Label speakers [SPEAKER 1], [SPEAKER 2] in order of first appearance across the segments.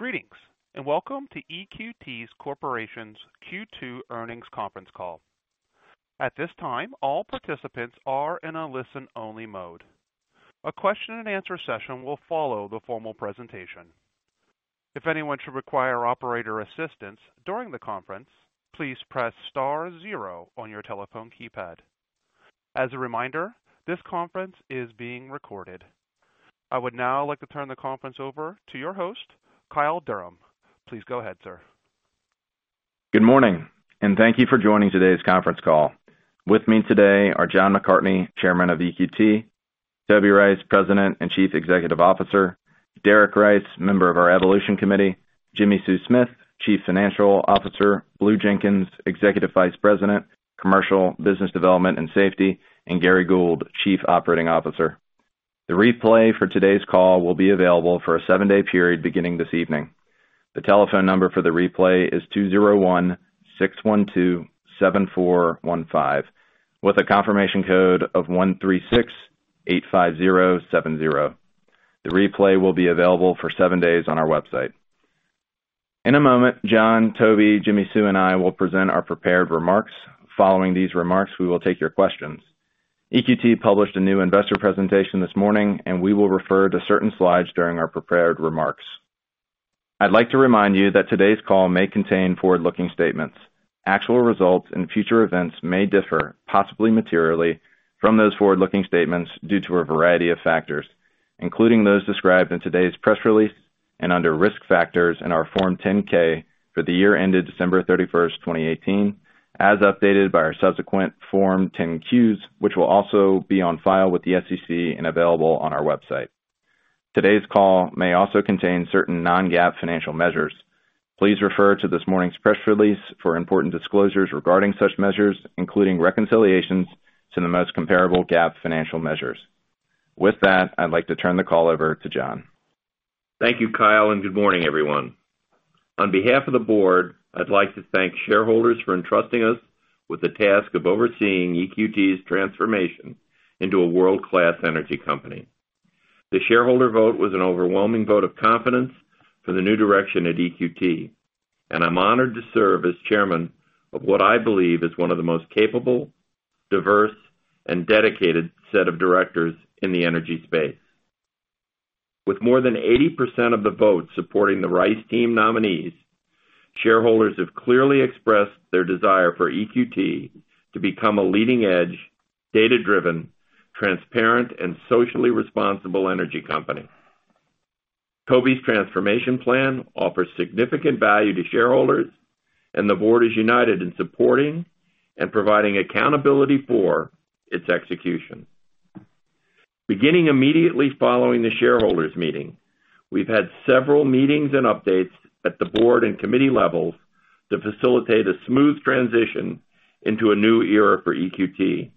[SPEAKER 1] Greetings, and welcome to EQT Corporation's Q2 Earnings Conference Call. At this time, all participants are in a listen-only mode. A question and answer session will follow the formal presentation. If anyone should require operator assistance during the conference, please press star 0 on your telephone keypad. As a reminder, this conference is being recorded. I would now like to turn the conference over to your host, Kyle Derham. Please go ahead, sir.
[SPEAKER 2] Good morning, thank you for joining today's conference call. With me today are John McCartney, Chairman of EQT, Toby Rice, President and Chief Executive Officer, Derek Rice, Member of our Evolution Committee, Jimmi Sue Smith, Chief Financial Officer, Blue Jenkins, Executive Vice President, Commercial, Business Development and Safety, and Gary Gould, Chief Operating Officer. The replay for today's call will be available for a seven-day period beginning this evening. The telephone number for the replay is 201-612-7415, with a confirmation code of 13685070. The replay will be available for seven days on our website. In a moment, John, Toby, Jimmi Sue, and I will present our prepared remarks. Following these remarks, we will take your questions. EQT published a new investor presentation this morning, and we will refer to certain slides during our prepared remarks. I'd like to remind you that today's call may contain forward-looking statements. Actual results and future events may differ, possibly materially, from those forward-looking statements due to a variety of factors, including those described in today's press release and under risk factors in our Form 10-K for the year ended December 31st, 2018, as updated by our subsequent Form 10-Qs, which will also be on file with the SEC and available on our website. Today's call may also contain certain non-GAAP financial measures. Please refer to this morning's press release for important disclosures regarding such measures, including reconciliations to the most comparable GAAP financial measures. With that, I'd like to turn the call over to John.
[SPEAKER 3] Thank you, Kyle. Good morning, everyone. On behalf of the board, I'd like to thank shareholders for entrusting us with the task of overseeing EQT's transformation into a world-class energy company. The shareholder vote was an overwhelming vote of confidence for the new direction at EQT, and I'm honored to serve as chairman of what I believe is one of the most capable, diverse, and dedicated set of directors in the energy space. With more than 80% of the votes supporting the Rice team nominees, shareholders have clearly expressed their desire for EQT to become a leading-edge, data-driven, transparent, and socially responsible energy company. Toby's transformation plan offers significant value to shareholders, and the board is united in supporting and providing accountability for its execution. Beginning immediately following the shareholders meeting, we've had several meetings and updates at the board and committee levels to facilitate a smooth transition into a new era for EQT.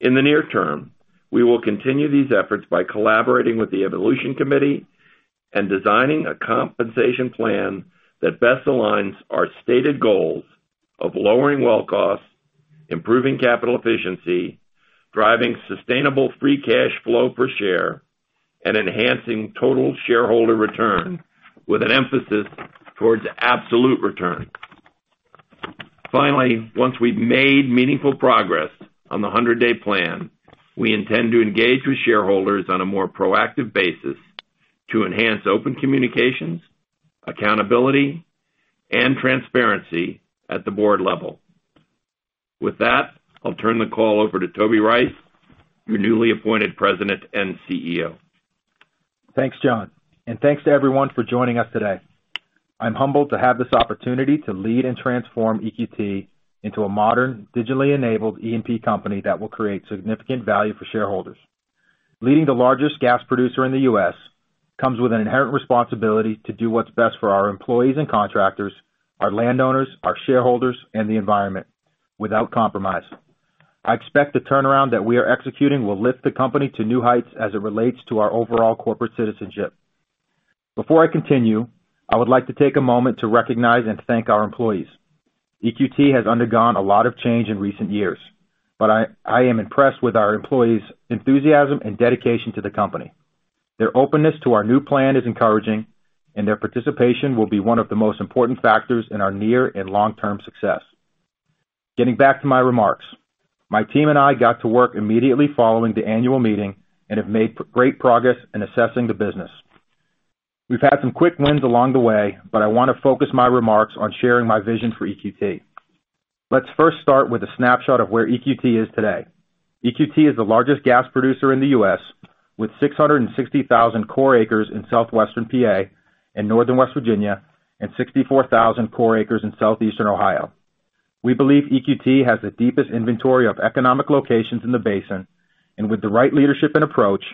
[SPEAKER 3] In the near term, we will continue these efforts by collaborating with the Evolution Committee and designing a compensation plan that best aligns our stated goals of lowering well costs, improving capital efficiency, driving sustainable free cash flow per share, and enhancing total shareholder return with an emphasis towards absolute return. Finally, once we've made meaningful progress on the 100-day plan, we intend to engage with shareholders on a more proactive basis to enhance open communications, accountability, and transparency at the board level. With that, I'll turn the call over to Toby Rice, your newly appointed President and CEO.
[SPEAKER 4] Thanks, John, and thanks to everyone for joining us today. I'm humbled to have this opportunity to lead and transform EQT into a modern, digitally enabled E&P company that will create significant value for shareholders. Leading the largest gas producer in the U.S. comes with an inherent responsibility to do what's best for our employees and contractors, our landowners, our shareholders, and the environment without compromise. I expect the turnaround that we are executing will lift the company to new heights as it relates to our overall corporate citizenship. Before I continue, I would like to take a moment to recognize and thank our employees. EQT has undergone a lot of change in recent years, but I am impressed with our employees' enthusiasm and dedication to the company. Their openness to our new plan is encouraging, and their participation will be one of the most important factors in our near and long-term success. Getting back to my remarks, my team and I got to work immediately following the annual meeting and have made great progress in assessing the business. We've had some quick wins along the way. I want to focus my remarks on sharing my vision for EQT. Let's first start with a snapshot of where EQT is today. EQT is the largest gas producer in the U.S., with 660,000 core acres in southwestern PA and northern West Virginia and 64,000 core acres in southeastern Ohio. We believe EQT has the deepest inventory of economic locations in the basin, and with the right leadership and approach,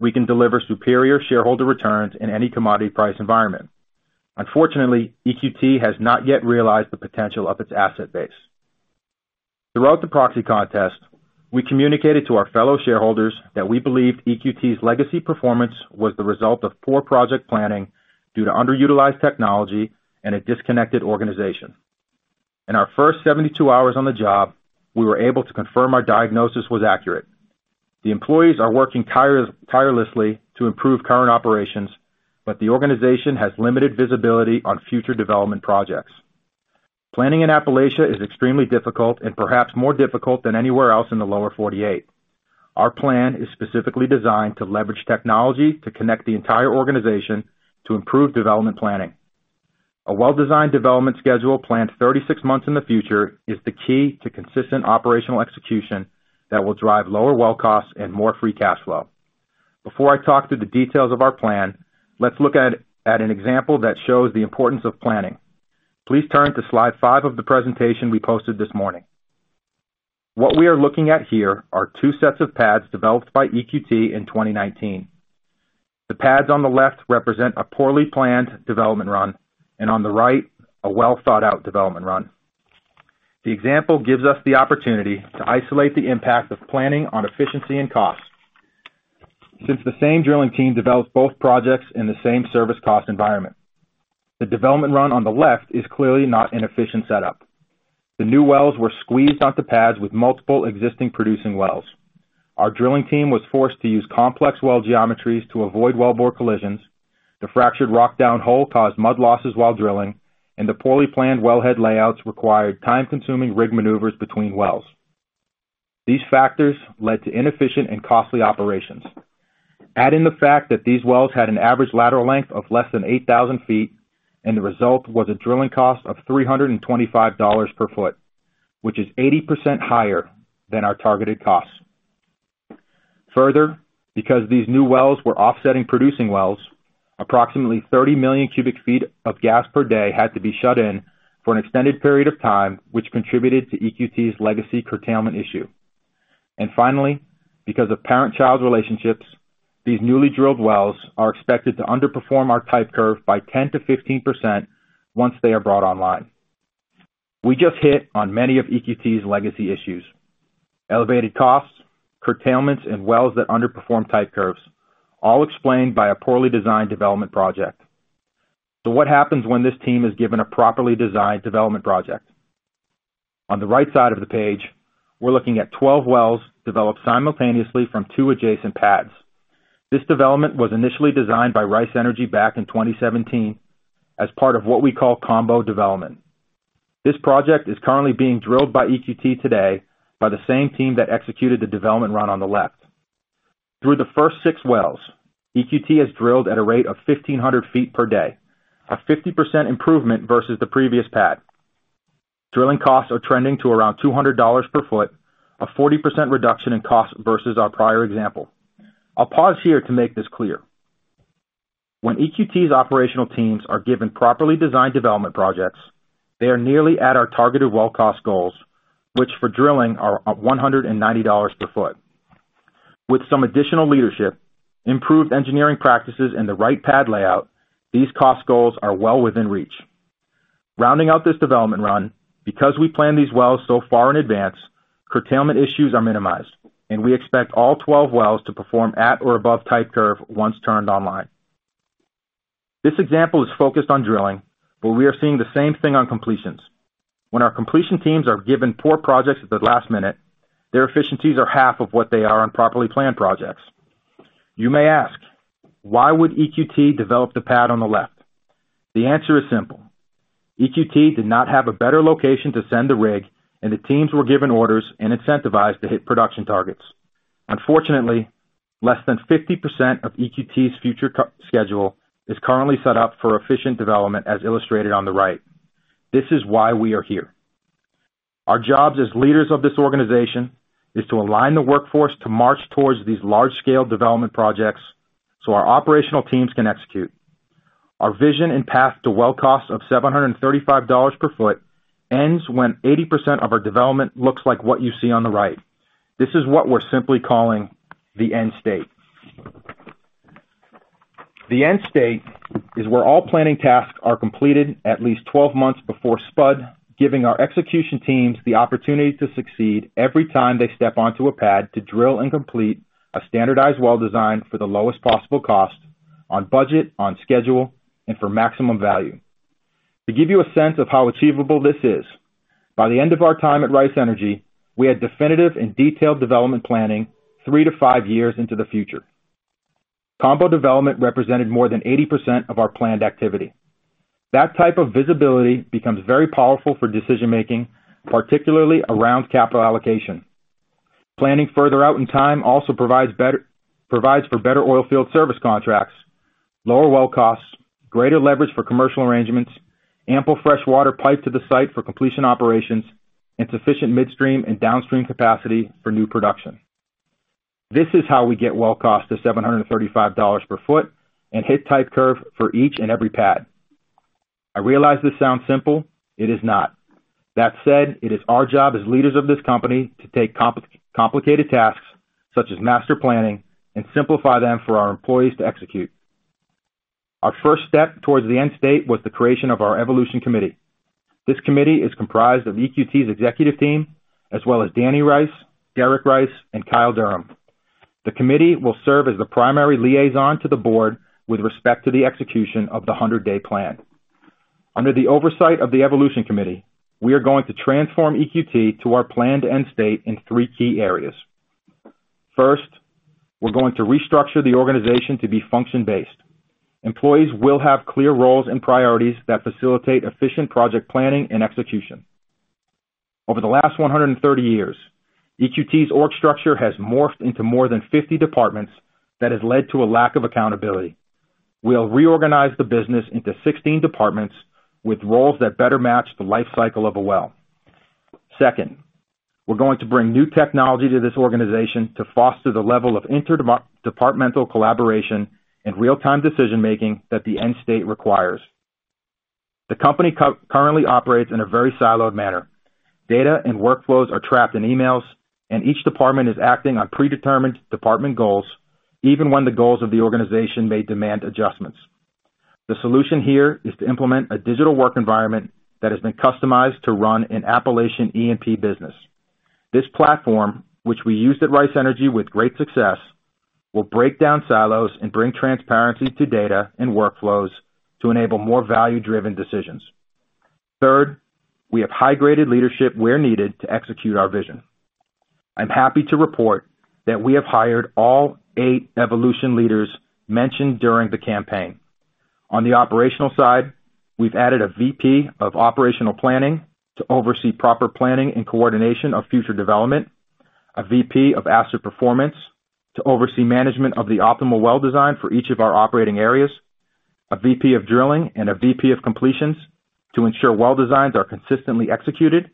[SPEAKER 4] we can deliver superior shareholder returns in any commodity price environment. Unfortunately, EQT has not yet realized the potential of its asset base. Throughout the proxy contest, we communicated to our fellow shareholders that we believed EQT's legacy performance was the result of poor project planning due to underutilized technology and a disconnected organization. In our first 72 hours on the job, we were able to confirm our diagnosis was accurate. The employees are working tirelessly to improve current operations, but the organization has limited visibility on future development projects. Planning in Appalachia is extremely difficult and perhaps more difficult than anywhere else in the Lower 48. Our plan is specifically designed to leverage technology to connect the entire organization to improve development planning. A well-designed development schedule planned 36 months in the future is the key to consistent operational execution that will drive lower well costs and more free cash flow. Before I talk through the details of our plan, let's look at an example that shows the importance of planning. Please turn to slide five of the presentation we posted this morning. What we are looking at here are two sets of pads developed by EQT in 2019. The pads on the left represent a poorly planned development run, and on the right, a well-thought-out development run. The example gives us the opportunity to isolate the impact of planning on efficiency and cost, since the same drilling team developed both projects in the same service cost environment. The development run on the left is clearly not an efficient setup. The new wells were squeezed onto pads with multiple existing producing wells. Our drilling team was forced to use complex well geometries to avoid wellbore collisions. The fractured rock down hole caused mud losses while drilling, and the poorly planned wellhead layouts required time-consuming rig maneuvers between wells. These factors led to inefficient and costly operations. Add in the fact that these wells had an average lateral length of less than 8,000 ft, and the result was a drilling cost of $325 per ft, which is 80% higher than our targeted cost. Further, because these new wells were offsetting producing wells, approximately 30 million cubic ft of gas per day had to be shut in for an extended period of time, which contributed to EQT's legacy curtailment issue. Finally, because of parent-child relationships, these newly drilled wells are expected to underperform our type curve by 10%-15% once they are brought online. We just hit on many of EQT's legacy issues: elevated costs, curtailments, and wells that underperform type curves, all explained by a poorly designed development project. What happens when this team is given a properly designed development project? On the right side of the page, we're looking at 12 wells developed simultaneously from two adjacent pads. This development was initially designed by Rice Energy back in 2017 as part of what we call combo development. This project is currently being drilled by EQT today by the same team that executed the development run on the left. Through the first six wells, EQT has drilled at a rate of 1,500 ft per day, a 50% improvement versus the previous pad. Drilling costs are trending to around $200 per ft, a 40% reduction in cost versus our prior example. I'll pause here to make this clear. When EQT's operational teams are given properly designed development projects, they are nearly at our targeted well cost goals, which for drilling are at $190 per ft. With some additional leadership, improved engineering practices, and the right pad layout, these cost goals are well within reach. Rounding out this development run, because we plan these wells so far in advance, curtailment issues are minimized, and we expect all 12 wells to perform at or above type curve once turned online. This example is focused on drilling, but we are seeing the same thing on completions. When our completion teams are given poor projects at the last minute, their efficiencies are half of what they are on properly planned projects. You may ask, "Why would EQT develop the pad on the left?" The answer is simple. EQT did not have a better location to send the rig, and the teams were given orders and incentivized to hit production targets. Unfortunately, less than 50% of EQT's future schedule is currently set up for efficient development, as illustrated on the right. This is why we are here. Our jobs as leaders of this organization is to align the workforce to march towards these large-scale development projects so our operational teams can execute. Our vision and path to well cost of $735 per ft ends when 80% of our development looks like what you see on the right. This is what we're simply calling the end state. The end state is where all planning tasks are completed at least 12 months before spud, giving our execution teams the opportunity to succeed every time they step onto a pad to drill and complete a standardized well design for the lowest possible cost, on budget, on schedule, and for maximum value. To give you a sense of how achievable this is, by the end of our time at Rice Energy, we had definitive and detailed development planning three to five years into the future. Combo development represented more than 80% of our planned activity. That type of visibility becomes very powerful for decision-making, particularly around capital allocation. Planning further out in time also provides for better oil field service contracts, lower well costs, greater leverage for commercial arrangements, ample fresh water piped to the site for completion operations, and sufficient midstream and downstream capacity for new production. This is how we get well cost to $735 per ft and hit type curve for each and every pad. I realize this sounds simple. It is not. That said, it is our job as leaders of this company to take complicated tasks, such as master planning, and simplify them for our employees to execute. Our first step towards the end state was the creation of our Evolution Committee. This committee is comprised of EQT's executive team, as well as Danny Rice, Derek Rice, and Kyle Derham. The committee will serve as the primary liaison to the board with respect to the execution of the 100-day plan. Under the oversight of the Evolution Committee, we are going to transform EQT to our planned end state in three key areas. First, we're going to restructure the organization to be function-based. Employees will have clear roles and priorities that facilitate efficient project planning and execution. Over the last 130 years, EQT's org structure has morphed into more than 50 departments that has led to a lack of accountability. We'll reorganize the business into 16 departments with roles that better match the life cycle of a well. Second, we're going to bring new technology to this organization to foster the level of interdepartmental collaboration and real-time decision-making that the end state requires. The company currently operates in a very siloed manner. Data and workflows are trapped in emails, and each department is acting on predetermined department goals, even when the goals of the organization may demand adjustments. The solution here is to implement a digital work environment that has been customized to run an Appalachian E&P business. This platform, which we used at Rice Energy with great success, will break down silos and bring transparency to data and workflows to enable more value-driven decisions. Third, we have high-graded leadership where needed to execute our vision. I'm happy to report that we have hired all eight evolution leaders mentioned during the campaign. On the operational side, we've added a VP of Operational Planning to oversee proper planning and coordination of future development, a VP of Asset Performance to oversee management of the optimal well design for each of our operating areas, a VP of Drilling, and a VP of Completions to ensure well designs are consistently executed.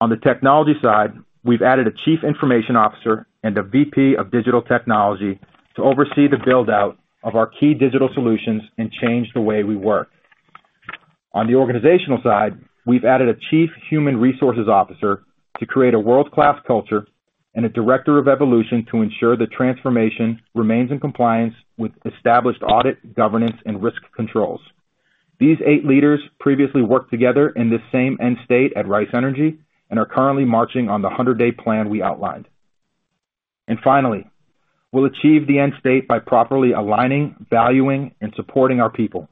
[SPEAKER 4] On the technology side, we've added a Chief Information Officer and a VP of Digital Technology to oversee the build-out of our key digital solutions and change the way we work. On the organizational side, we've added a chief human resources officer to create a world-class culture and a Director of Evolution to ensure the transformation remains in compliance with established audit, governance, and risk controls. These eight leaders previously worked together in this same end state at Rice Energy and are currently marching on the 100-day plan we outlined. Finally, we'll achieve the end state by properly aligning, valuing, and supporting our people.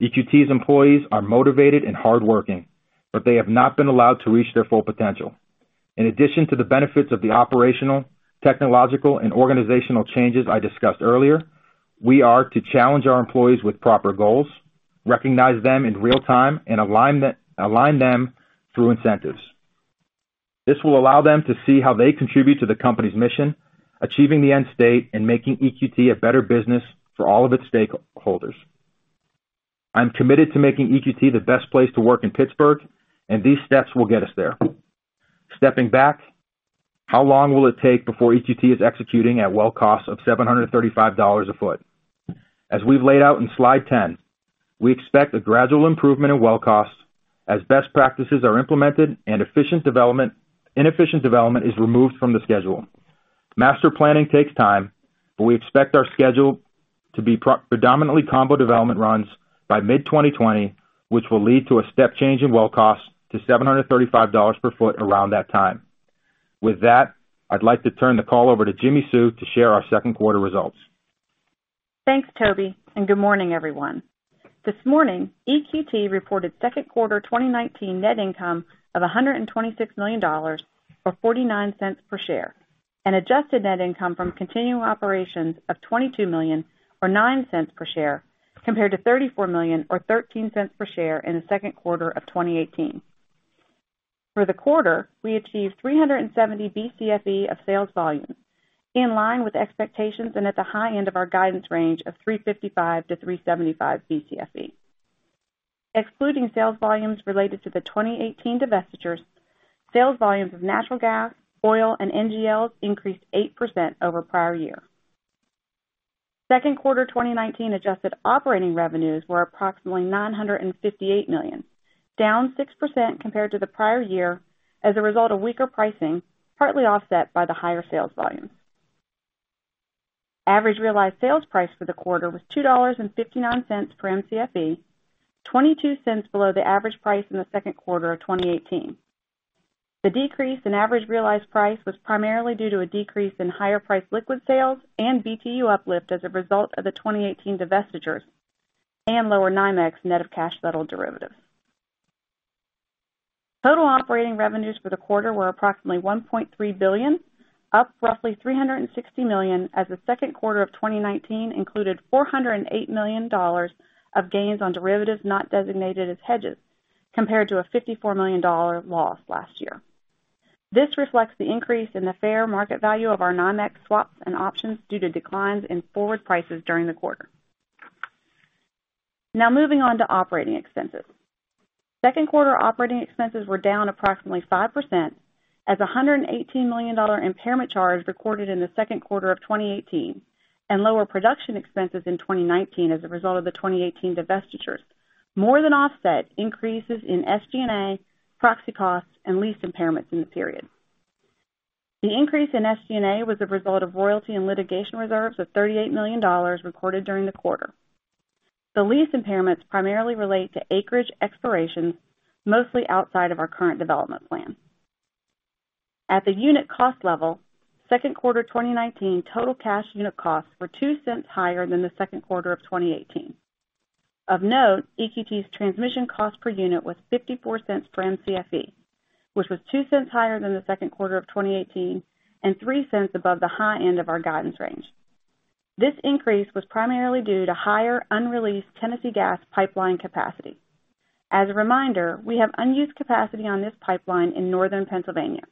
[SPEAKER 4] EQT's employees are motivated and hardworking, but they have not been allowed to reach their full potential. In addition to the benefits of the operational, technological, and organizational changes I discussed earlier, we are to challenge our employees with proper goals, recognize them in real time, and align them through incentives. This will allow them to see how they contribute to the company's mission, achieving the end state and making EQT a better business for all of its stakeholders. I'm committed to making EQT the best place to work in Pittsburgh, and these steps will get us there. Stepping back, how long will it take before EQT is executing at well costs of $735 a ft? As we've laid out in slide 10, we expect a gradual improvement in well costs as best practices are implemented and inefficient development is removed from the schedule. Master planning takes time, but we expect our schedule to be predominantly combo development runs by mid-2020, which will lead to a step change in well costs to $735 per ft around that time. With that, I'd like to turn the call over to Jimmi Sue to share our second quarter results.
[SPEAKER 5] Thanks, Toby, and good morning, everyone. This morning, EQT reported second quarter 2019 net income of $126 million, or $0.49 per share, and adjusted net income from continuing operations of $22 million, or $0.09 per share, compared to $34 million or $0.13 per share in the second quarter of 2018. For the quarter, we achieved 370 BCFE of sales volume, in line with expectations and at the high end of our guidance range of 355-375 BCFE. Excluding sales volumes related to the 2018 divestitures, sales volumes of natural gas, oil, and NGLs increased 8% over prior year. Second quarter 2019 adjusted operating revenues were approximately $958 million, down 6% compared to the prior year as a result of weaker pricing, partly offset by the higher sales volumes. Average realized sales price for the quarter was $2.59 per MCFE, $0.22 below the average price in the second quarter of 2018. The decrease in average realized price was primarily due to a decrease in higher-priced liquid sales and BTU uplift as a result of the 2018 divestitures and lower NYMEX net of cash-settled derivatives. Total operating revenues for the quarter were approximately $1.3 billion, up roughly $360 million as the second quarter of 2019 included $408 million of gains on derivatives not designated as hedges, compared to a $54 million loss last year. This reflects the increase in the fair market value of our NYMEX swaps and options due to declines in forward prices during the quarter. Now moving on to operating expenses. Second quarter operating expenses were down approximately 5% as $118 million impairment charge recorded in the second quarter of 2018 and lower production expenses in 2019 as a result of the 2018 divestitures more than offset increases in SG&A, proxy costs, and lease impairments in the period. The increase in SG&A was a result of royalty and litigation reserves of $38 million recorded during the quarter. The lease impairments primarily relate to acreage expirations, mostly outside of our current development plan. At the unit cost level, second quarter 2019 total cash unit costs were $0.02 higher than the second quarter of 2018. Of note, EQT's transmission cost per unit was $0.54 per MCFE, which was $0.02 higher than the second quarter of 2018 and $0.03 above the high end of our guidance range. This increase was primarily due to higher unreleased Tennessee Gas Pipeline capacity. As a reminder, we have unused capacity on this pipeline in northern Pennsylvania.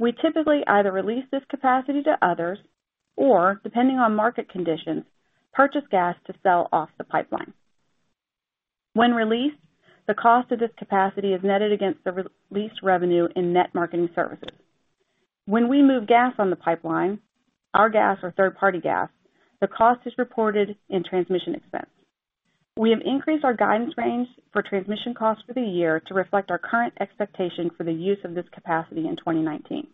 [SPEAKER 5] We typically either release this capacity to others, or depending on market conditions, purchase gas to sell off the pipeline. When released, the cost of this capacity is netted against the lease revenue in net marketing services. When we move gas on the pipeline, our gas or third-party gas, the cost is reported in transmission expense. We have increased our guidance range for transmission costs for the year to reflect our current expectation for the use of this capacity in 2019.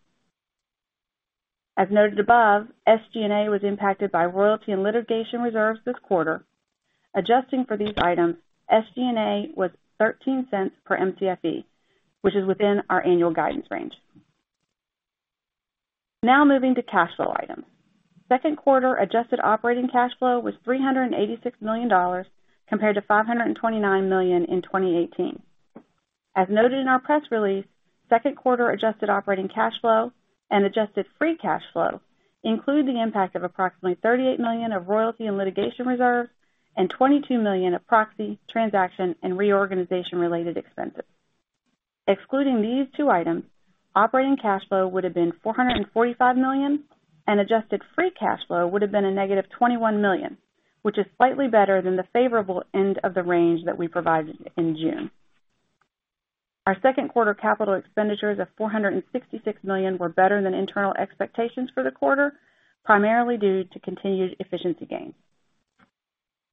[SPEAKER 5] As noted above, SG&A was impacted by royalty and litigation reserves this quarter. Adjusting for these items, SG&A was $0.13 per MCFE, which is within our annual guidance range. Moving to cash flow items. Second quarter adjusted operating cash flow was $386 million, compared to $529 million in 2018. As noted in our press release, second quarter adjusted operating cash flow and adjusted free cash flow include the impact of approximately $38 million of royalty and litigation reserves and $22 million of proxy, transaction, and reorganization-related expenses. Excluding these two items, operating cash flow would have been $445 million and adjusted free cash flow would have been a negative $21 million, which is slightly better than the favorable end of the range that we provided in June. Our second quarter capital expenditures of $466 million were better than internal expectations for the quarter, primarily due to continued efficiency gains.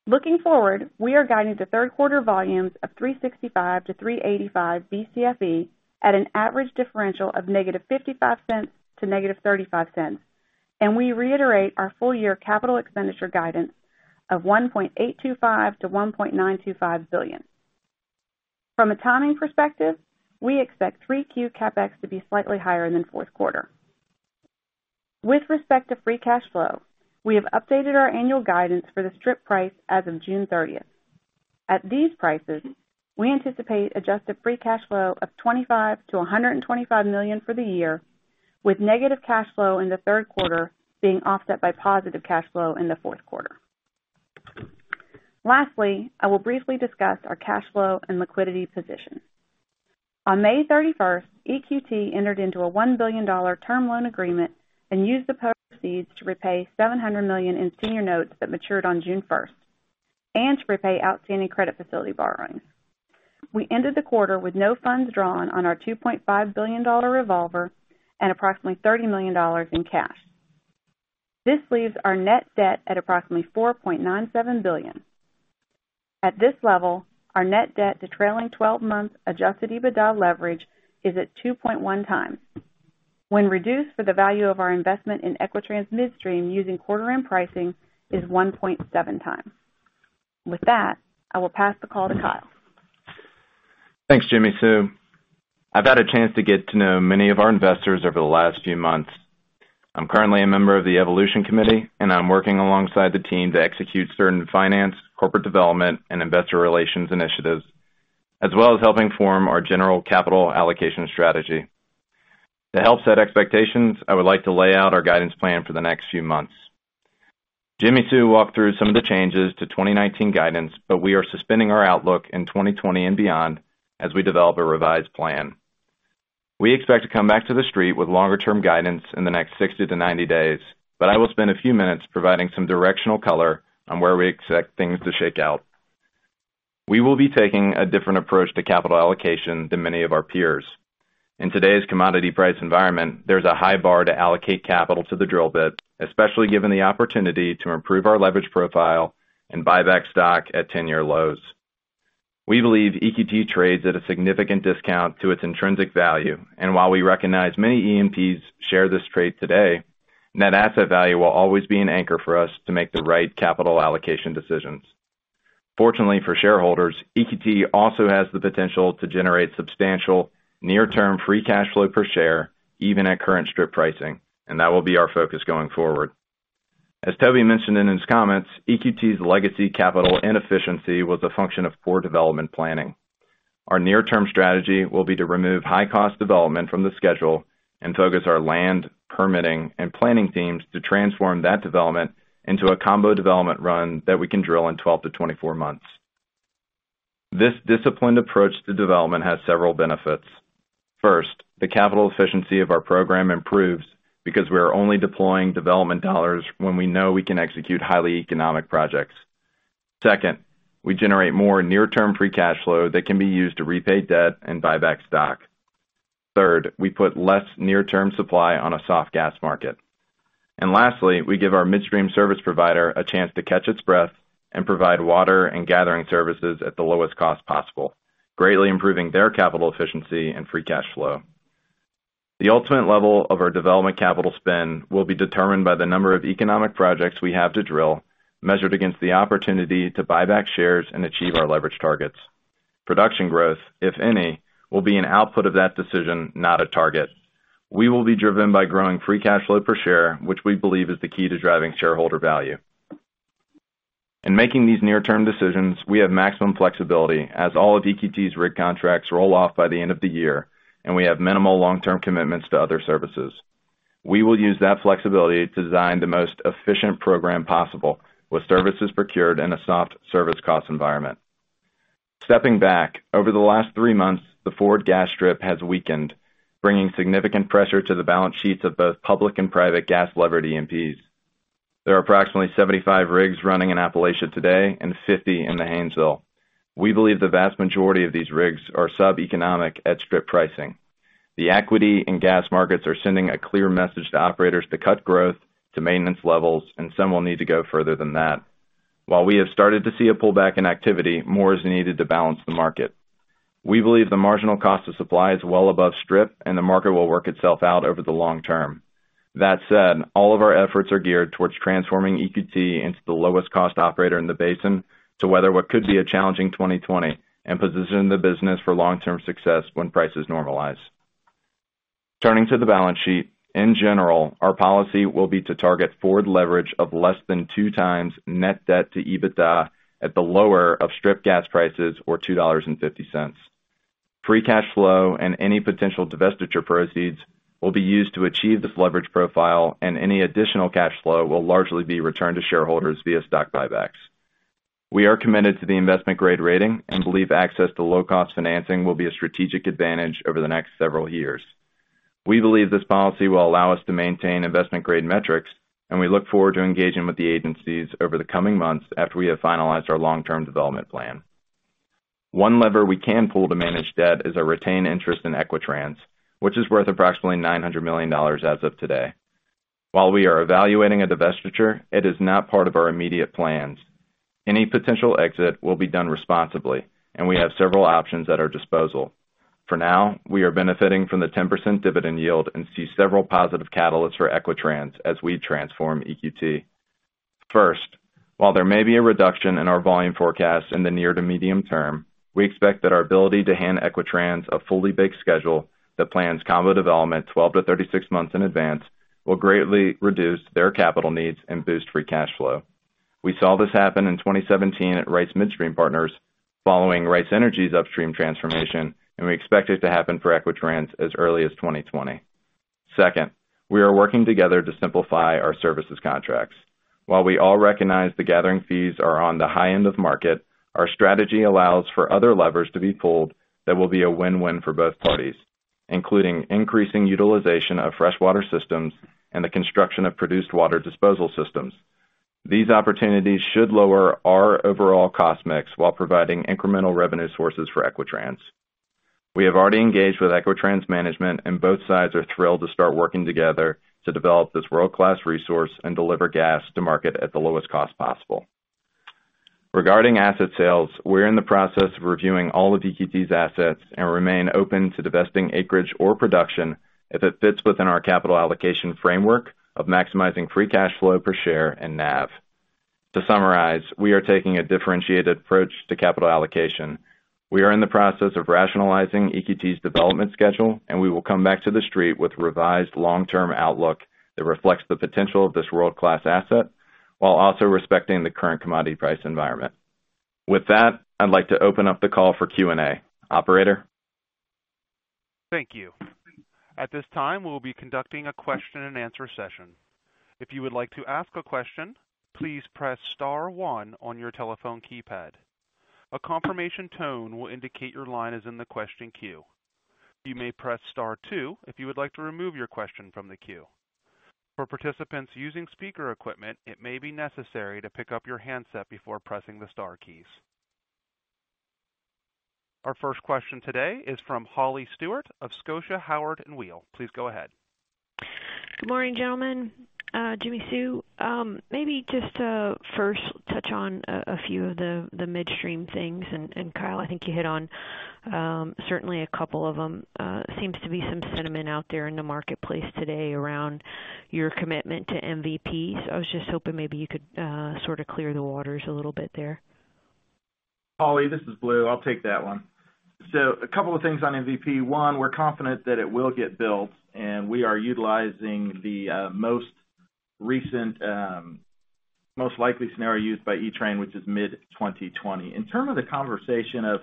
[SPEAKER 5] Looking forward, we are guiding to third quarter volumes of 365-385 BCFE at an average differential of -$0.55 to -$0.35, and we reiterate our full-year capital expenditure guidance of $1.825 billion-$1.925 billion. From a timing perspective, we expect 3Q CapEx to be slightly higher than 4Q. With respect to free cash flow, we have updated our annual guidance for the strip price as of June 30th. At these prices, we anticipate adjusted free cash flow of $25 million-$125 million for the year, with negative cash flow in the 3Q being offset by positive cash flow in the 4Q. Lastly, I will briefly discuss our cash flow and liquidity position. On May 31st, EQT entered into a $1 billion term loan agreement and used the proceeds to repay $700 million in senior notes that matured on June 1st, and to repay outstanding credit facility borrowings. We ended the quarter with no funds drawn on our $2.5 billion revolver and approximately $30 million in cash. This leaves our net debt at approximately $4.97 billion. At this level, our net debt to trailing 12-month adjusted EBITDA leverage is at 2.1x. When reduced for the value of our investment in Equitrans Midstream using quarter-end pricing is 1.7x. With that, I will pass the call to Kyle.
[SPEAKER 2] Thanks, Jimmi Sue. I've had a chance to get to know many of our investors over the last few months. I'm currently a member of the Evolution Committee, and I'm working alongside the team to execute certain finance, corporate development, and investor relations initiatives, as well as helping form our general capital allocation strategy. To help set expectations, I would like to lay out our guidance plan for the next few months. Jimmi Sue walked through some of the changes to 2019 guidance, but we are suspending our outlook in 2020 and beyond as we develop a revised plan. We expect to come back to the street with longer-term guidance in the next 60-90 days, but I will spend a few minutes providing some directional color on where we expect things to shake out. We will be taking a different approach to capital allocation than many of our peers. In today's commodity price environment, there's a high bar to allocate capital to the drill bit, especially given the opportunity to improve our leverage profile and buy back stock at 10-year lows. We believe EQT trades at a significant discount to its intrinsic value, and while we recognize many E&Ps share this trait today, net asset value will always be an anchor for us to make the right capital allocation decisions. Fortunately for shareholders, EQT also has the potential to generate substantial near-term free cash flow per share even at current strip pricing, and that will be our focus going forward. As Toby mentioned in his comments, EQT's legacy capital inefficiency was a function of poor development planning. Our near-term strategy will be to remove high-cost development from the schedule and focus our land, permitting, and planning teams to transform that development into a combo development run that we can drill in 12 to 24 months. This disciplined approach to development has several benefits. First, the capital efficiency of our program improves because we are only deploying development dollars when we know we can execute highly economic projects. Second, we generate more near-term free cash flow that can be used to repay debt and buy back stock. Third, we put less near-term supply on a soft gas market. Lastly, we give our midstream service provider a chance to catch its breath and provide water and gathering services at the lowest cost possible, greatly improving their capital efficiency and free cash flow. The ultimate level of our development capital spend will be determined by the number of economic projects we have to drill, measured against the opportunity to buy back shares and achieve our leverage targets. Production growth, if any, will be an output of that decision, not a target. We will be driven by growing free cash flow per share, which we believe is the key to driving shareholder value. In making these near-term decisions, we have maximum flexibility as all of EQT's rig contracts roll off by the end of the year, and we have minimal long-term commitments to other services. We will use that flexibility to design the most efficient program possible, with services procured in a soft service cost environment. Stepping back, over the last three months, the forward gas strip has weakened, bringing significant pressure to the balance sheets of both public and private gas levered E&Ps. There are approximately 75 rigs running in Appalachia today and 50 in the Haynesville. We believe the vast majority of these rigs are sub-economic at strip pricing. The equity and gas markets are sending a clear message to operators to cut growth to maintenance levels, and some will need to go further than that. While we have started to see a pullback in activity, more is needed to balance the market. We believe the marginal cost of supply is well above strip, and the market will work itself out over the long term. That said, all of our efforts are geared towards transforming EQT into the lowest-cost operator in the basin to weather what could be a challenging 2020 and position the business for long-term success when prices normalize. Turning to the balance sheet. In general, our policy will be to target forward leverage of less than 2x net debt to EBITDA at the lower of strip gas prices or $2.50. Free cash flow and any potential divestiture proceeds will be used to achieve this leverage profile, and any additional cash flow will largely be returned to shareholders via stock buybacks. We are committed to the investment-grade rating and believe access to low-cost financing will be a strategic advantage over the next several years. We believe this policy will allow us to maintain investment-grade metrics, and we look forward to engaging with the agencies over the coming months after we have finalized our long-term development plan. One lever we can pull to manage debt is our retained interest in Equitrans, which is worth approximately $900 million as of today. While we are evaluating a divestiture, it is not part of our immediate plans. Any potential exit will be done responsibly, and we have several options at our disposal. For now, we are benefiting from the 10% dividend yield and see several positive catalysts for Equitrans as we transform EQT. First, while there may be a reduction in our volume forecast in the near to medium term, we expect that our ability to hand Equitrans a fully baked schedule that plans combo development 12 to 36 months in advance will greatly reduce their capital needs and boost free cash flow. We saw this happen in 2017 at Rice Midstream Partners following Rice Energy's upstream transformation, and we expect it to happen for Equitrans as early as 2020. Second, we are working together to simplify our services contracts. While we all recognize the gathering fees are on the high end of market, our strategy allows for other levers to be pulled that will be a win-win for both parties, including increasing utilization of freshwater systems and the construction of produced water disposal systems. These opportunities should lower our overall cost mix while providing incremental revenue sources for Equitrans. We have already engaged with Equitrans management. Both sides are thrilled to start working together to develop this world-class resource and deliver gas to market at the lowest cost possible. Regarding asset sales, we're in the process of reviewing all of EQT's assets and remain open to divesting acreage or production if it fits within our capital allocation framework of maximizing free cash flow per share and NAV. To summarize, we are taking a differentiated approach to capital allocation. We are in the process of rationalizing EQT's development schedule. We will come back to the Street with a revised long-term outlook that reflects the potential of this world-class asset while also respecting the current commodity price environment. With that, I'd like to open up the call for Q&A. Operator?
[SPEAKER 1] Thank you. At this time, we will be conducting a question-and-answer session. If you would like to ask a question, please press star one on your telephone keypad. A confirmation tone will indicate your line is in the question queue. You may press star two if you would like to remove your question from the queue. For participants using speaker equipment, it may be necessary to pick up your handset before pressing the star keys. Our first question today is from Holly Stewart of Scotia Howard Weil. Please go ahead.
[SPEAKER 6] Good morning, gentlemen. Jimmi Sue, maybe just to first touch on a few of the midstream things. Kyle, I think you hit on certainly a couple of them. Seems to be some sentiment out there in the marketplace today around your commitment to MVP. I was just hoping maybe you could sort of clear the waters a little bit there.
[SPEAKER 7] Holly, this is Blue. I'll take that one. A couple of things on MVP. One, we're confident that it will get built, and we are utilizing the most recent, most likely scenario used by ETRN, which is mid-2020. In terms of the conversation of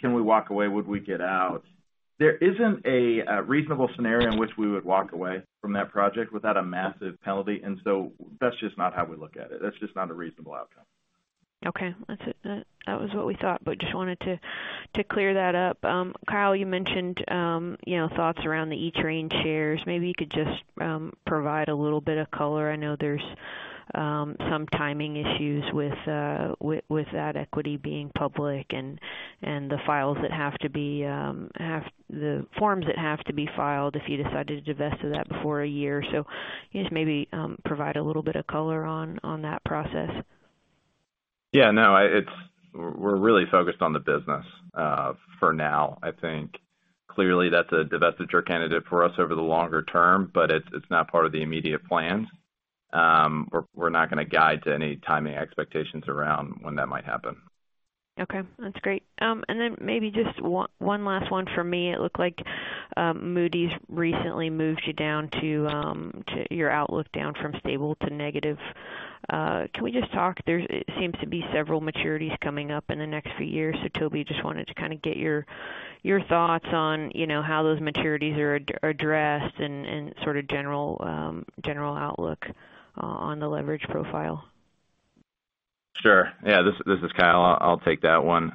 [SPEAKER 7] can we walk away? Would we get out? There isn't a reasonable scenario in which we would walk away from that project without a massive penalty, that's just not how we look at it. That's just not a reasonable outcome.
[SPEAKER 6] Okay. That's it then. That was what we thought, but just wanted to clear that up. Kyle, you mentioned thoughts around the ETRN shares. Maybe you could just provide a little bit of color. I know there's some timing issues with that equity being public and the forms that have to be filed if you decide to divest of that before a year. Can you just maybe provide a little bit of color on that process?
[SPEAKER 2] We're really focused on the business for now. I think clearly that's a divestiture candidate for us over the longer term, but it's not part of the immediate plans. We're not going to guide to any timing expectations around when that might happen.
[SPEAKER 6] Okay, that's great. Maybe just one last one from me. It looked like Moody's recently moved your outlook down from stable to negative. There seems to be several maturities coming up in the next few years. Toby, just wanted to get your thoughts on how those maturities are addressed and general outlook on the leverage profile.
[SPEAKER 2] Sure. Yeah, this is Kyle. I'll take that one.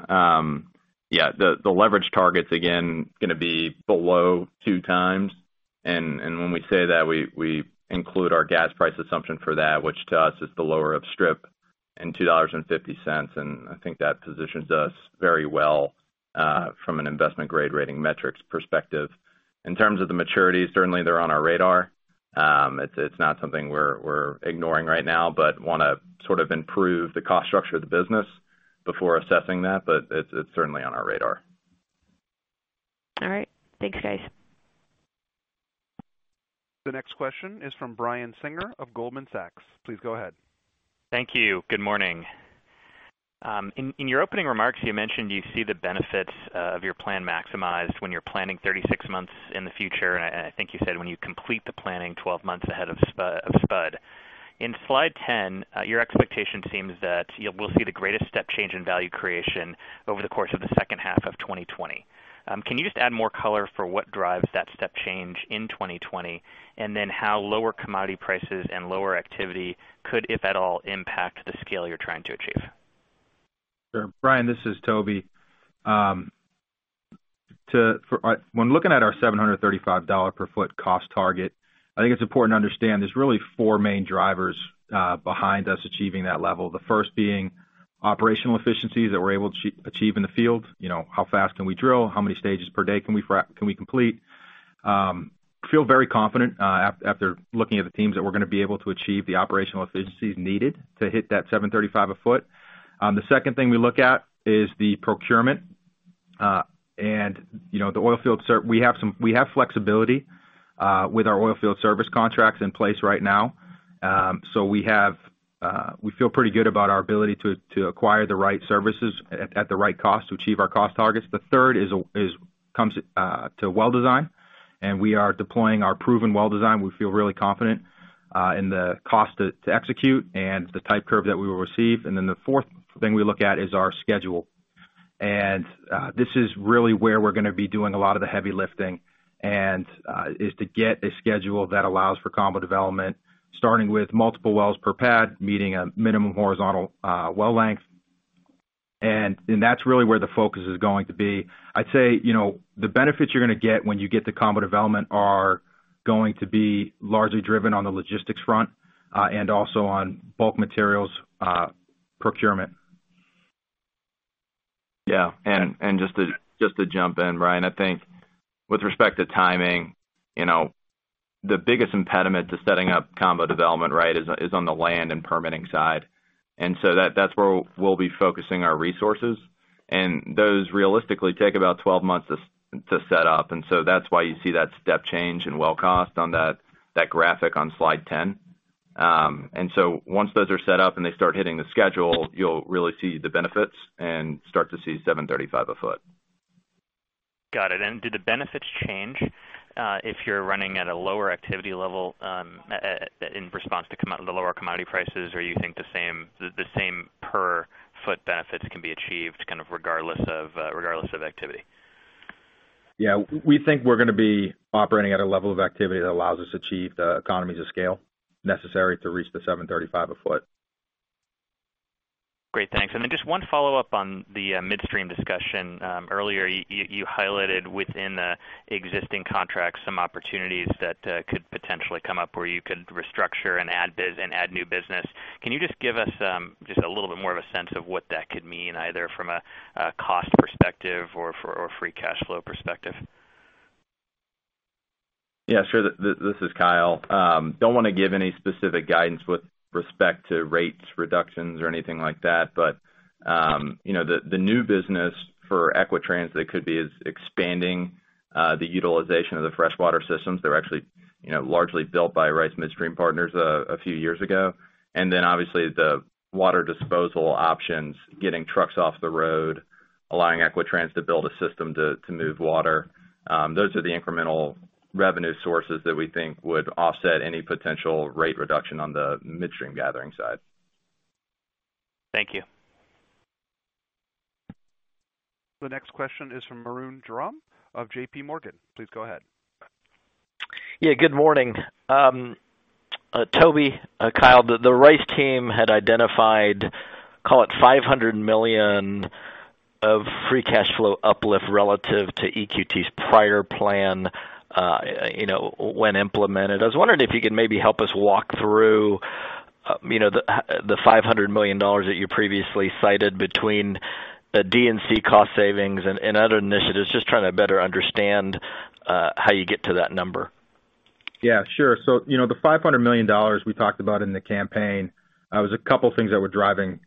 [SPEAKER 2] The leverage target's, again, going to be below two times. When we say that, we include our gas price assumption for that, which to us is the lower of strip and $2.50. I think that positions us very well from an investment-grade rating metrics perspective. In terms of the maturities, certainly they're on our radar. It's not something we're ignoring right now, but want to improve the cost structure of the business before assessing that. It's certainly on our radar.
[SPEAKER 6] All right. Thanks, guys.
[SPEAKER 1] The next question is from Brian Singer of Goldman Sachs. Please go ahead.
[SPEAKER 8] Thank you. Good morning. In your opening remarks, you mentioned you see the benefits of your plan maximized when you're planning 36 months in the future. I think you said when you complete the planning 12 months ahead of spud. In slide 10, your expectation seems that we'll see the greatest step change in value creation over the course of the second half of 2020. Can you just add more color for what drives that step change in 2020? How lower commodity prices and lower activity could, if at all, impact the scale you're trying to achieve?
[SPEAKER 4] Sure. Brian, this is Toby. When looking at our $735 per ft cost target, I think it's important to understand there's really four main drivers behind us achieving that level. The first being operational efficiencies that we're able to achieve in the field. How fast can we drill? How many stages per day can we complete? Feel very confident after looking at the teams that we're going to be able to achieve the operational efficiencies needed to hit that 735 a ft. The second thing we look at is the procurement. We have flexibility with our oilfield service contracts in place right now. We feel pretty good about our ability to acquire the right services at the right cost to achieve our cost targets. The third comes to well design, and we are deploying our proven well design. We feel really confident in the cost to execute and the type curve that we will receive. The fourth thing we look at is our schedule. This is really where we're going to be doing a lot of the heavy lifting, is to get a schedule that allows for combo development, starting with multiple wells per pad, meeting a minimum horizontal well length. That's really where the focus is going to be. I'd say, the benefits you're going to get when you get the combo development are going to be largely driven on the logistics front, and also on bulk materials procurement.
[SPEAKER 2] Yeah. Just to jump in, Brian, I think with respect to timing, the biggest impediment to setting up combo development is on the land and permitting side. That's where we'll be focusing our resources. Those realistically take about 12 months to set up. That's why you see that step change in well cost on that graphic on slide 10. Once those are set up and they start hitting the schedule, you'll really see the benefits and start to see $735 a ft.
[SPEAKER 8] Got it. Do the benefits change if you're running at a lower activity level in response to the lower commodity prices? Or you think the same per ft benefits can be achieved kind of regardless of activity?
[SPEAKER 4] Yeah. We think we're going to be operating at a level of activity that allows us to achieve the economies of scale necessary to reach the 735 a ft.
[SPEAKER 8] Great. Thanks. Just one follow-up on the midstream discussion. Earlier, you highlighted within the existing contracts some opportunities that could potentially come up where you could restructure and add new business. Can you just give us just a little bit more of a sense of what that could mean, either from a cost perspective or free cash flow perspective?
[SPEAKER 2] Yeah, sure. This is Kyle. Don't want to give any specific guidance with respect to rates reductions or anything like that. The new business for Equitrans that could be is expanding the utilization of the freshwater systems that were actually largely built by Rice Midstream Partners a few years ago. Obviously the water disposal options, getting trucks off the road, allowing Equitrans to build a system to move water. Those are the incremental revenue sources that we think would offset any potential rate reduction on the midstream gathering side.
[SPEAKER 8] Thank you.
[SPEAKER 1] The next question is from Arun Jayaram of JPMorgan. Please go ahead.
[SPEAKER 9] Yeah. Good morning. Toby, Kyle, the Rice team had identified, call it $500 million of free cash flow uplift relative to EQT's prior plan when implemented. I was wondering if you could maybe help us walk through the $500 million that you previously cited between D&C cost savings and other initiatives, just trying to better understand how you get to that number.
[SPEAKER 4] Yeah, sure. The $500 million we talked about in the campaign, was a couple things that were driving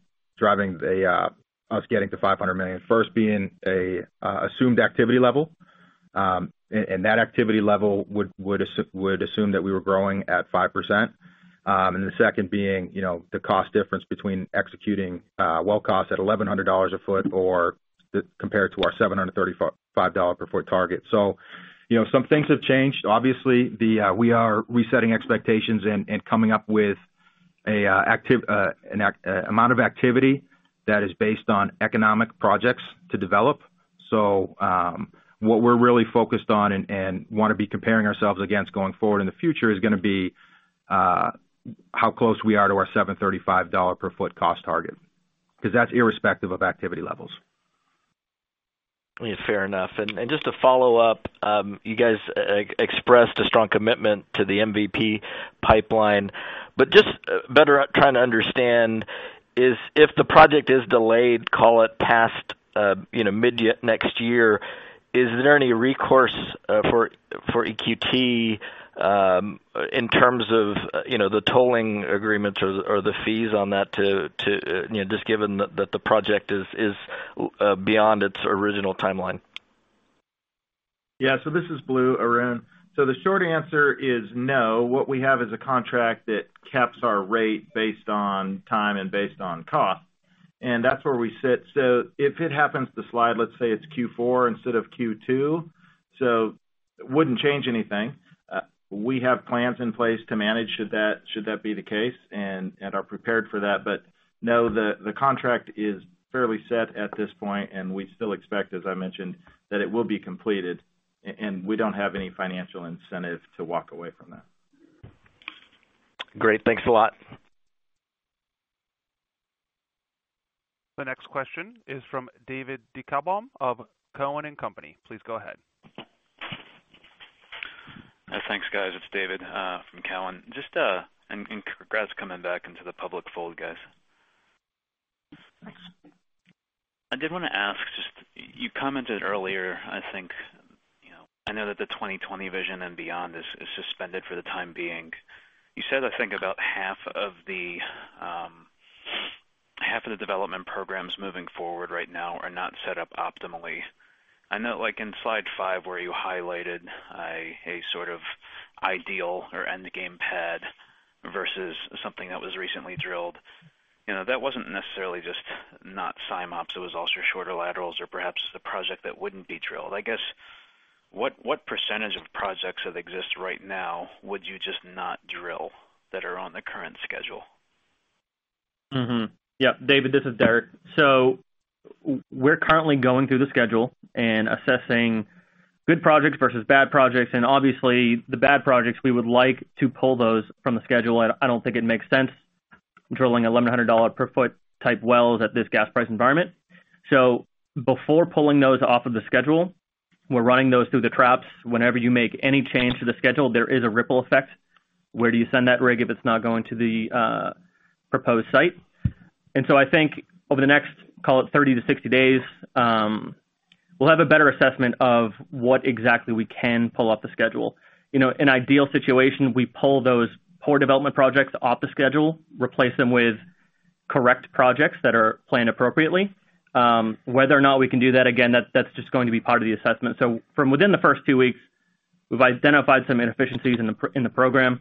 [SPEAKER 4] us getting to $500 million. First being a assumed activity level. That activity level would assume that we were growing at 5%. The second being, the cost difference between executing well cost at $1,100 a ft or compared to our $735 per ft target. Some things have changed. Obviously, we are resetting expectations and coming up with amount of activity that is based on economic projects to develop. What we're really focused on, and want to be comparing ourselves against going forward in the future, is going to be how close we are to our $735 per ft cost target, because that's irrespective of activity levels.
[SPEAKER 9] Yeah, fair enough. Just to follow up, you guys expressed a strong commitment to the MVP pipeline. Just better trying to understand is, if the project is delayed, call it past mid next year, is there any recourse for EQT, in terms of the tolling agreements or the fees on that just given that the project is beyond its original timeline?
[SPEAKER 7] This is Blue, Arun. The short answer is no. What we have is a contract that caps our rate based on time and based on cost, and that's where we sit. If it happens to slide, let's say it's Q4 instead of Q2, so wouldn't change anything. We have plans in place to manage should that be the case and are prepared for that. No, the contract is fairly set at this point, and we still expect, as I mentioned, that it will be completed, and we don't have any financial incentive to walk away from that.
[SPEAKER 9] Great. Thanks a lot.
[SPEAKER 1] The next question is from David Deckelbaum of Cowen and Company. Please go ahead.
[SPEAKER 10] Thanks, guys. It's David, from Cowen. Just congrats coming back into the public fold, guys.
[SPEAKER 4] Thanks.
[SPEAKER 10] I did want to ask, just you commented earlier, I think, I know that the 2020 vision and beyond is suspended for the time being. You said, I think about half of the development programs moving forward right now are not set up optimally. I know like in slide five where you highlighted a sort of ideal or end game pad versus something that was recently drilled. That wasn't necessarily just not SimOps, it was also shorter laterals or perhaps the project that wouldn't be drilled. I guess, what percentage of projects that exist right now would you just not drill that are on the current schedule?
[SPEAKER 11] David, this is Derek. We're currently going through the schedule and assessing good projects versus bad projects, and obviously the bad projects, we would like to pull those from the schedule. I don't think it makes sense drilling $1,100 per ft type wells at this gas price environment. Before pulling those off of the schedule, we're running those through the traps. Whenever you make any change to the schedule, there is a ripple effect. Where do you send that rig if it's not going to the proposed site? I think over the next, call it 30 to 60 days, we'll have a better assessment of what exactly we can pull off the schedule. In ideal situation, we pull those poor development projects off the schedule, replace them with correct projects that are planned appropriately. Whether or not we can do that, again, that's just going to be part of the assessment. From within the first two weeks, we've identified some inefficiencies in the program,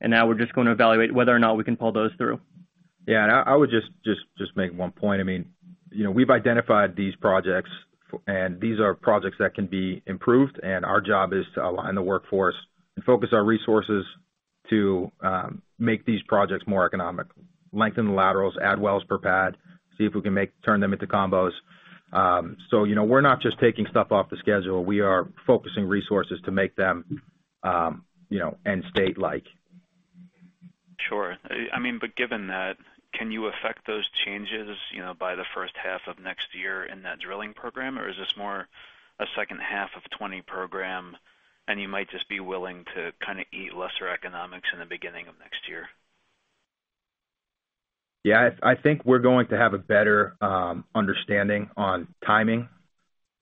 [SPEAKER 11] and now we're just going to evaluate whether or not we can pull those through.
[SPEAKER 4] Yeah, I would just make one point. We've identified these projects, and these are projects that can be improved, and our job is to align the workforce and focus our resources to make these projects more economic. Lengthen the laterals, add wells per pad, see if we can turn them into combos. We're not just taking stuff off the schedule. We are focusing resources to make them end state-like.
[SPEAKER 10] Sure. Given that, can you affect those changes by the first half of next year in that drilling program? Is this more a second half of 2020 program, and you might just be willing to eat lesser economics in the beginning of next year?
[SPEAKER 4] Yeah, I think we're going to have a better understanding on timing,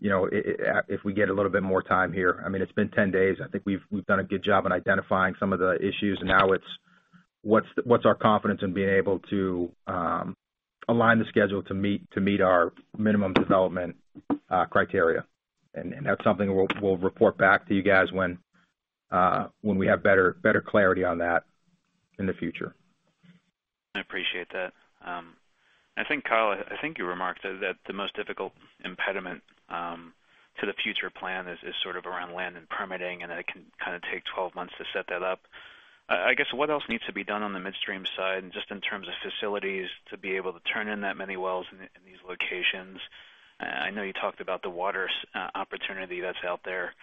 [SPEAKER 4] if we get a little bit more time here. It's been 10 days. I think we've done a good job in identifying some of the issues, and now it's what's our confidence in being able to align the schedule to meet our minimum development criteria. That's something we'll report back to you guys when we have better clarity on that in the future.
[SPEAKER 10] I appreciate that. Kyle, I think you remarked that the most difficult impediment to the future plan is sort of around land and permitting, and that it can take 12 months to set that up. I guess what else needs to be done on the midstream side, just in terms of facilities to be able to turn in that many wells in these locations? I know you talked about the water opportunity that's out there.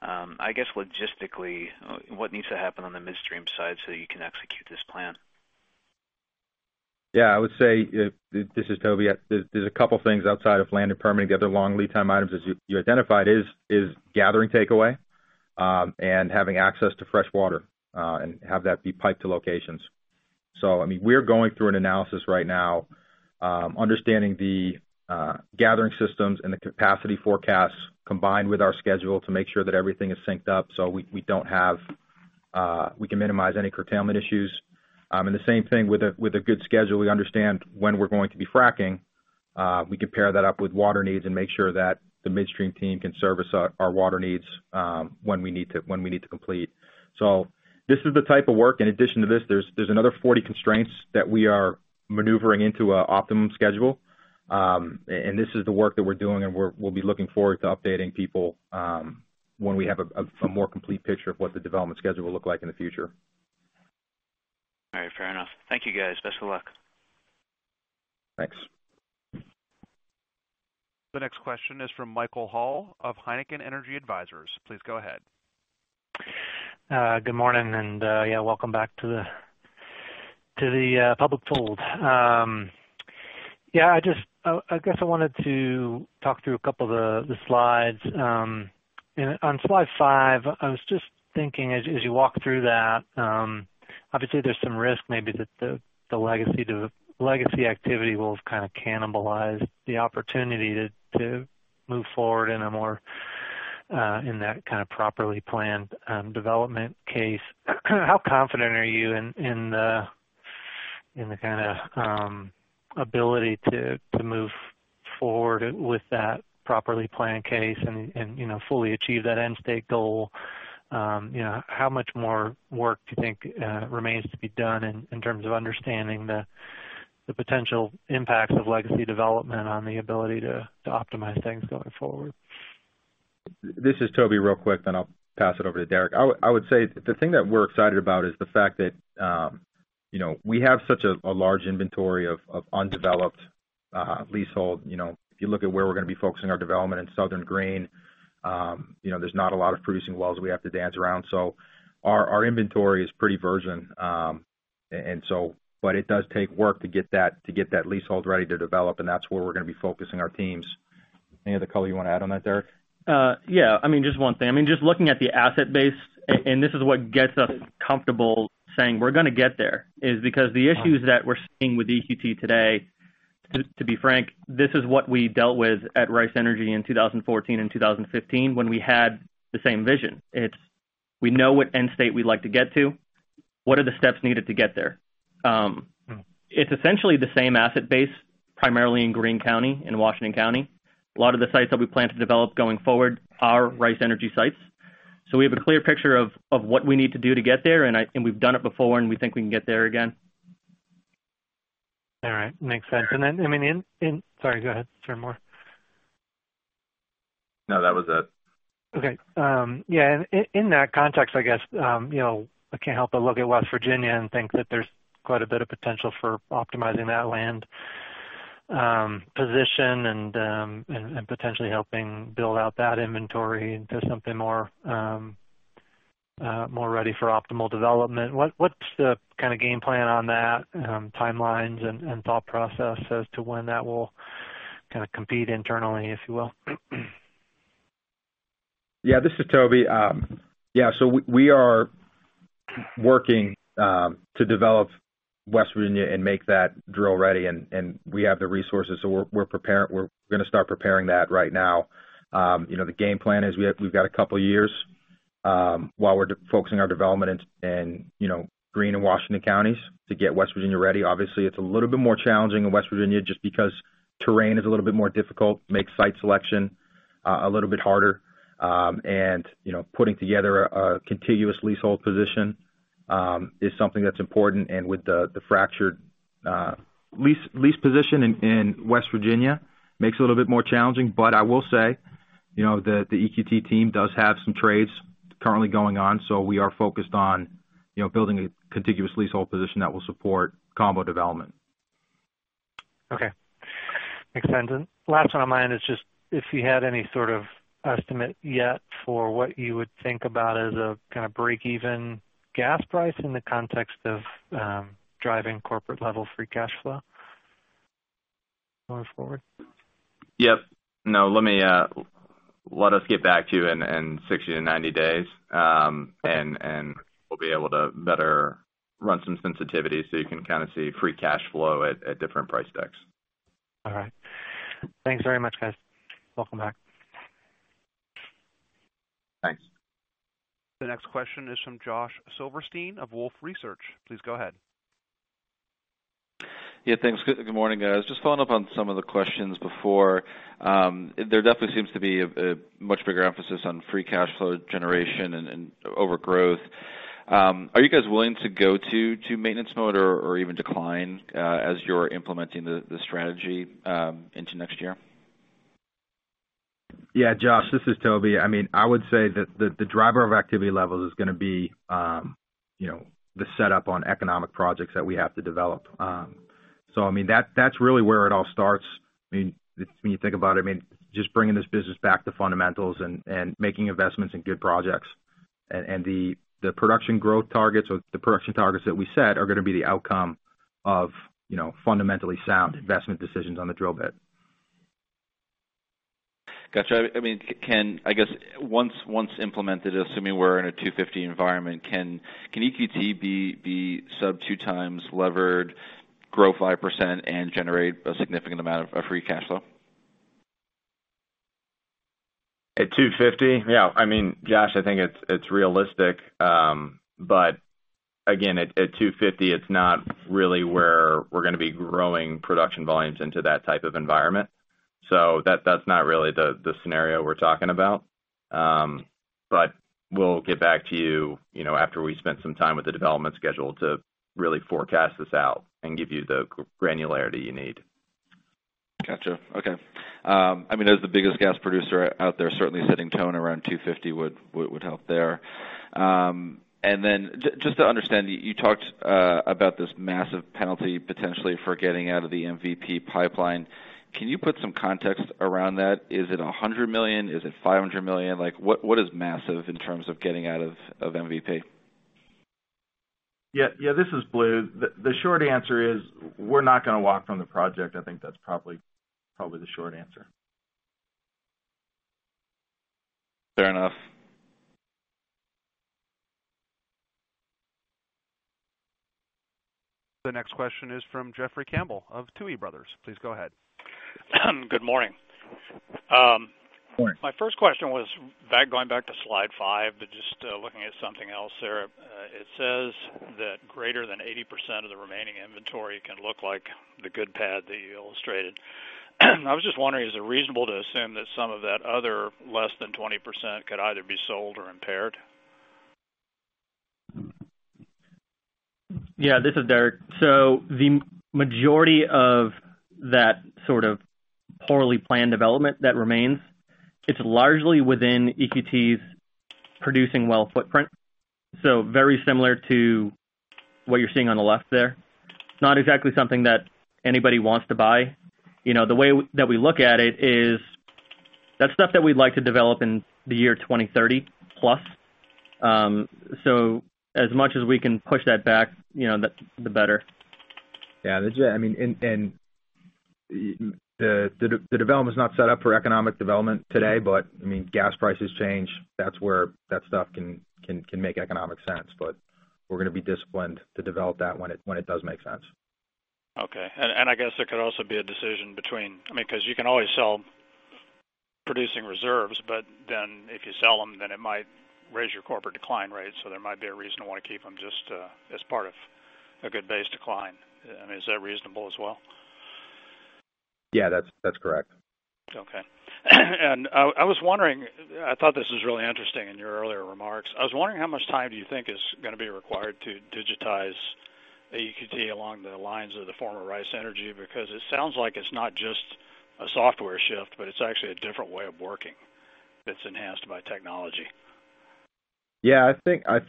[SPEAKER 10] I guess logistically, what needs to happen on the midstream side so you can execute this plan?
[SPEAKER 4] Yeah, I would say this is Toby. There's a couple things outside of land and permitting. The other long lead time items, as you identified is gathering takeaway, and having access to fresh water, and have that be piped to locations. We're going through an analysis right now, understanding the gathering systems and the capacity forecasts combined with our schedule to make sure that everything is synced up so we can minimize any curtailment issues. The same thing with a good schedule, we understand when we're going to be fracking. We can pair that up with water needs and make sure that the midstream team can service our water needs when we need to complete. This is the type of work. In addition to this, there's another 40 constraints that we are maneuvering into an optimum schedule. This is the work that we're doing, and we'll be looking forward to updating people when we have a more complete picture of what the development schedule will look like in the future.
[SPEAKER 10] All right. Fair enough. Thank you, guys. Best of luck.
[SPEAKER 4] Thanks.
[SPEAKER 1] The next question is from Michael Hall of Heikkinen Energy Advisors. Please go ahead.
[SPEAKER 12] Good morning. Welcome back to the public fold. I guess I wanted to talk through a couple of the slides. On slide five, I was just thinking as you walk through that, obviously there's some risk maybe that the legacy activity will kind of cannibalize the opportunity to move forward in that kind of properly planned development case. How confident are you in the kind of ability to move forward with that properly planned case and fully achieve that end state goal? How much more work do you think remains to be done in terms of understanding the potential impacts of legacy development on the ability to optimize things going forward?
[SPEAKER 4] This is Toby, real quick, then I'll pass it over to Derek. I would say the thing that we're excited about is the fact that we have such a large inventory of undeveloped leasehold. If you look at where we're going to be focusing our development in Southern Greene, there's not a lot of producing wells we have to dance around. Our inventory is pretty virgin. It does take work to get that leasehold ready to develop, and that's where we're going to be focusing our teams. Anything you want to add on that, Derek?
[SPEAKER 11] Yeah. Just one thing. Just looking at the asset base, and this is what gets us comfortable saying we're going to get there, is because the issues that we're seeing with EQT today, to be frank, this is what we dealt with at Rice Energy in 2014 and 2015 when we had the same vision. It's we know what end state we'd like to get to. What are the steps needed to get there? It's essentially the same asset base, primarily in Greene County and Washington County. A lot of the sites that we plan to develop going forward are Rice Energy sites. We have a clear picture of what we need to do to get there, and we've done it before, and we think we can get there again.
[SPEAKER 12] All right. Makes sense. Sorry, go ahead, some more.
[SPEAKER 4] No, that was it.
[SPEAKER 12] Okay. Yeah. In that context, I guess, I can't help but look at West Virginia and think that there's quite a bit of potential for optimizing that land position and potentially helping build out that inventory into something more ready for optimal development. What's the kind of game plan on that, timelines, and thought process as to when that will kind of compete internally, if you will?
[SPEAKER 4] Yeah. This is Toby. We are working to develop West Virginia and make that drill ready, and we have the resources. We're going to start preparing that right now. The game plan is we've got a couple of years while we're focusing our development in Greene and Washington counties to get West Virginia ready. Obviously, it's a little bit more challenging in West Virginia just because terrain is a little bit more difficult, makes site selection a little bit harder. Putting together a contiguous leasehold position is something that's important, and with the fractured lease position in West Virginia, makes it a little bit more challenging. I will say the EQT team does have some trades currently going on. We are focused on building a contiguous leasehold position that will support combo development.
[SPEAKER 12] Okay. Makes sense. Last on my end is just if you had any sort of estimate yet for what you would think about as a kind of break-even gas price in the context of driving corporate-level free cash flow going forward?
[SPEAKER 4] Yep. No, let us get back to you in 60-90 days. We'll be able to better run some sensitivities so you can kind of see free cash flow at different price decks.
[SPEAKER 12] All right. Thanks very much, guys. Welcome back.
[SPEAKER 4] Thanks.
[SPEAKER 1] The next question is from Josh Silverstein of Wolfe Research. Please go ahead.
[SPEAKER 13] Yeah, thanks. Good morning, guys. Just following up on some of the questions before. There definitely seems to be a much bigger emphasis on free cash flow generation and overgrowth. Are you guys willing to go to maintenance mode or even decline as you're implementing the strategy into next year?
[SPEAKER 4] Josh, this is Toby. I would say that the driver of activity levels is going to be the setup on economic projects that we have to develop. That's really where it all starts when you think about it, just bringing this business back to fundamentals and making investments in good projects. The production targets that we set are going to be the outcome of fundamentally sound investment decisions on the drill bit.
[SPEAKER 13] Gotcha. I guess once implemented, assuming we're in a $2.50 environment, can EQT be sub two times levered, grow 5%, and generate a significant amount of free cash flow?
[SPEAKER 4] At $2.50? Yeah. Josh, I think it's realistic. Again, at $2.50, it's not really where we're going to be growing production volumes into that type of environment. That's not really the scenario we're talking about. We'll get back to you, after we spent some time with the development schedule to really forecast this out and give you the granularity you need.
[SPEAKER 13] Got you. Okay. As the biggest gas producer out there, certainly setting tone around $250 would help there. Then just to understand, you talked about this massive penalty, potentially, for getting out of the MVP pipeline. Can you put some context around that? Is it $100 million? Is it $500 million? What is massive in terms of getting out of MVP?
[SPEAKER 7] Yeah. This is Blue. The short answer is we're not going to walk from the project. I think that's probably the short answer.
[SPEAKER 13] Fair enough.
[SPEAKER 1] The next question is from Jeffrey Campbell of Tuohy Brothers. Please go ahead.
[SPEAKER 14] Good morning.
[SPEAKER 4] Good morning.
[SPEAKER 14] My first question was going back to slide five, just looking at something else there. It says that greater than 80% of the remaining inventory can look like the good pad that you illustrated. I was just wondering, is it reasonable to assume that some of that other less than 20% could either be sold or impaired?
[SPEAKER 11] Yeah. This is Derek. The majority of that sort of poorly planned development that remains, it's largely within EQT's producing well ftprint. Very similar to what you're seeing on the left there. Not exactly something that anybody wants to buy. The way that we look at it is that's stuff that we'd like to develop in the year 2030+. As much as we can push that back, the better.
[SPEAKER 4] Yeah. The development is not set up for economic development today, but gas prices change. That's where that stuff can make economic sense, but we're going to be disciplined to develop that when it does make sense.
[SPEAKER 14] Okay. I guess there could also be a decision because you can always sell producing reserves, but then if you sell them, then it might raise your corporate decline rate. There might be a reason to want to keep them just as part of a good base decline. I mean, is that reasonable as well?
[SPEAKER 4] Yeah, that's correct.
[SPEAKER 14] Okay. I was wondering, I thought this was really interesting in your earlier remarks. I was wondering, how much time do you think is going to be required to digitize EQT along the lines of the former Rice Energy? It sounds like it's not just a software shift, but it's actually a different way of working that's enhanced by technology.
[SPEAKER 4] Yeah, I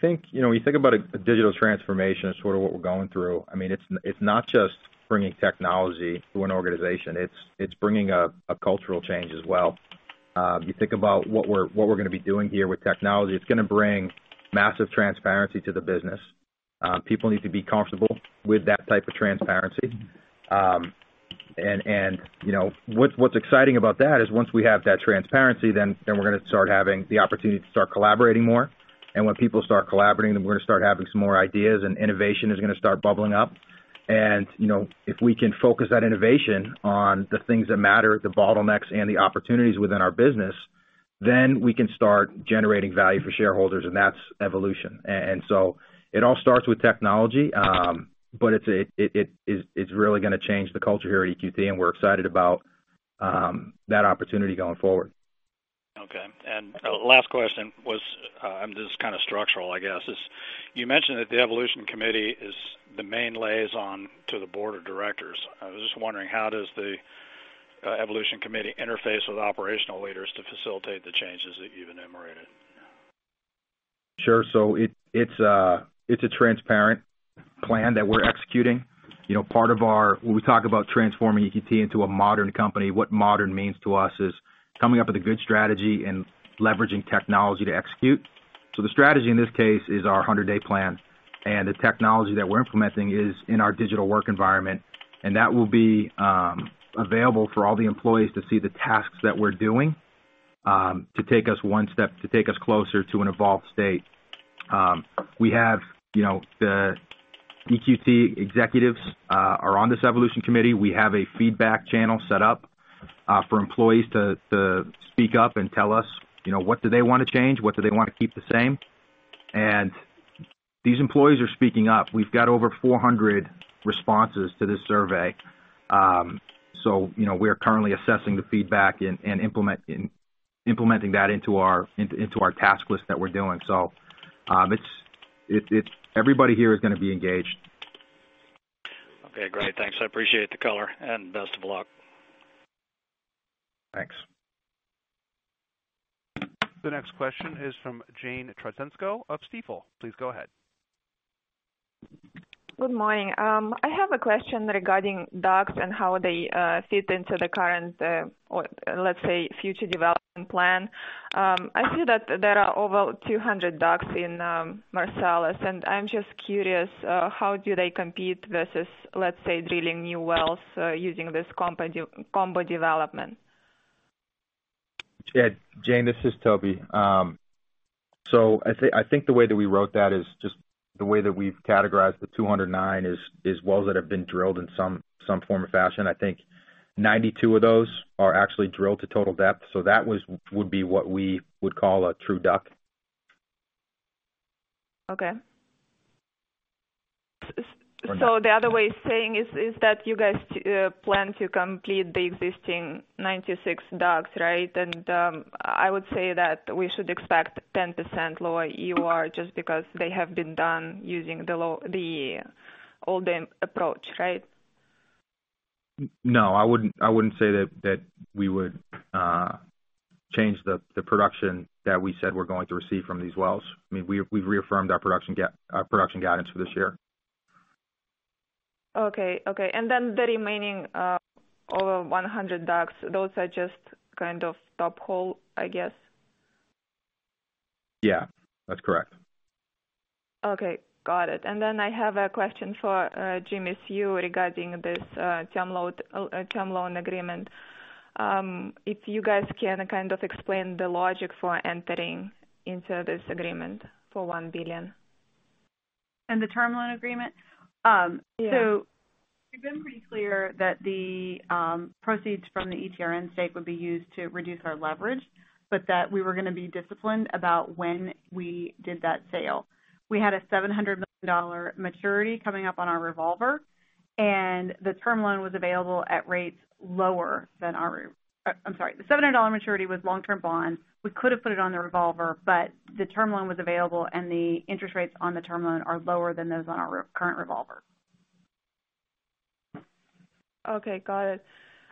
[SPEAKER 4] think, when you think about a digital transformation as sort of what we're going through, it's not just bringing technology to an organization, it's bringing a cultural change as well. You think about what we're going to be doing here with technology. It's going to bring massive transparency to the business. People need to be comfortable with that type of transparency. What's exciting about that is once we have that transparency, then we're going to start having the opportunity to start collaborating more, and when people start collaborating, then we're going to start having some more ideas, and innovation is going to start bubbling up. If we can focus that innovation on the things that matter, the bottlenecks and the opportunities within our business, then we can start generating value for shareholders, and that's evolution. It all starts with technology, but it's really going to change the culture here at EQT, and we're excited about that opportunity going forward.
[SPEAKER 14] Okay. Last question was, this is kind of structural, I guess. You mentioned that the Evolution Committee is the main liaison to the Board of Directors. I was just wondering, how does the Evolution Committee interface with operational leaders to facilitate the changes that you've enumerated?
[SPEAKER 4] Sure. It's a transparent plan that we're executing. When we talk about transforming EQT into a modern company, what modern means to us is coming up with a good strategy and leveraging technology to execute. The strategy in this case is our 100-day plan, and the technology that we're implementing is in our digital work environment, and that will be available for all the employees to see the tasks that we're doing to take us closer to an evolved state. We have the EQT executives are on this Evolution Committee. We have a feedback channel set up for employees to speak up and tell us what do they want to change, what do they want to keep the same. These employees are speaking up. We've got over 400 responses to this survey. We are currently assessing the feedback and implementing that into our task list that we're doing. Everybody here is going to be engaged.
[SPEAKER 14] Okay, great. Thanks. I appreciate the color, and best of luck.
[SPEAKER 4] Thanks.
[SPEAKER 1] The next question is from Jane Trotsenko of Stifel. Please go ahead.
[SPEAKER 15] Good morning. I have a question regarding DUCs and how they fit into the current, let's say, future development plan. I see that there are over 200 DUCs in Marcellus, and I'm just curious, how do they compete versus, let's say, drilling new wells using this combo development?
[SPEAKER 4] Jane, this is Toby. The way that we wrote that is just the way that we've categorized the 209 is wells that have been drilled in some form or fashion. 92 of those are actually drilled to total depth. That would be what we would call a true DUC.
[SPEAKER 15] Okay. The other way of saying is that you guys plan to complete the existing 96 DUCs, right? I would say that we should expect 10% lower EUR just because they have been done using the old approach, right?
[SPEAKER 4] No, I wouldn't say that we would change the production that we said we're going to receive from these wells. We've reaffirmed our production guidance for this year.
[SPEAKER 15] Okay. Then the remaining over 100 DUCs, those are just kind of top hole, I guess.
[SPEAKER 4] Yeah, that's correct.
[SPEAKER 15] Okay. Got it. I have a question for Jimmi Sue regarding this term loan agreement. If you guys can kind of explain the logic for entering into this agreement for $1 billion.
[SPEAKER 5] The term loan agreement?
[SPEAKER 15] Yeah. We've been pretty clear that the proceeds from the ETRN stake would be used to reduce our leverage, but that we were going to be disciplined about when we did that sale. We had a $700 million maturity coming up on our revolver, and the term loan was available at rates lower than our I'm sorry. The $700 million maturity was long-term bonds. We could have put it on the revolver, but the term loan was available, and the interest rates on the term loan are lower than those on our current revolver.
[SPEAKER 5] Okay. Got it.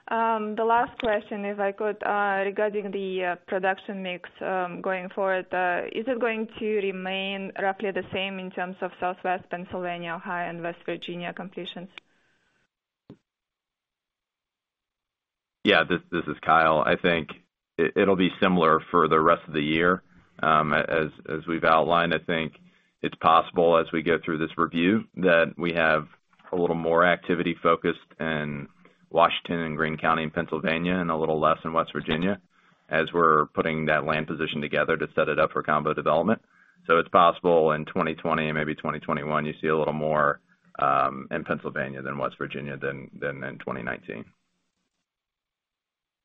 [SPEAKER 5] The last question, if I could, regarding the production mix, going forward, is it going to remain roughly the same in terms of Southwest Pennsylvania, Ohio, and West Virginia completions?
[SPEAKER 2] Yeah. This is Kyle. I think it'll be similar for the rest of the year. As we've outlined, I think it's possible as we get through this review that we have a little more activity focused in Washington and Greene County in Pennsylvania and a little less in West Virginia as we're putting that land position together to set it up for combo development. It's possible in 2020, maybe 2021, you see a little more in Pennsylvania than West Virginia than in 2019.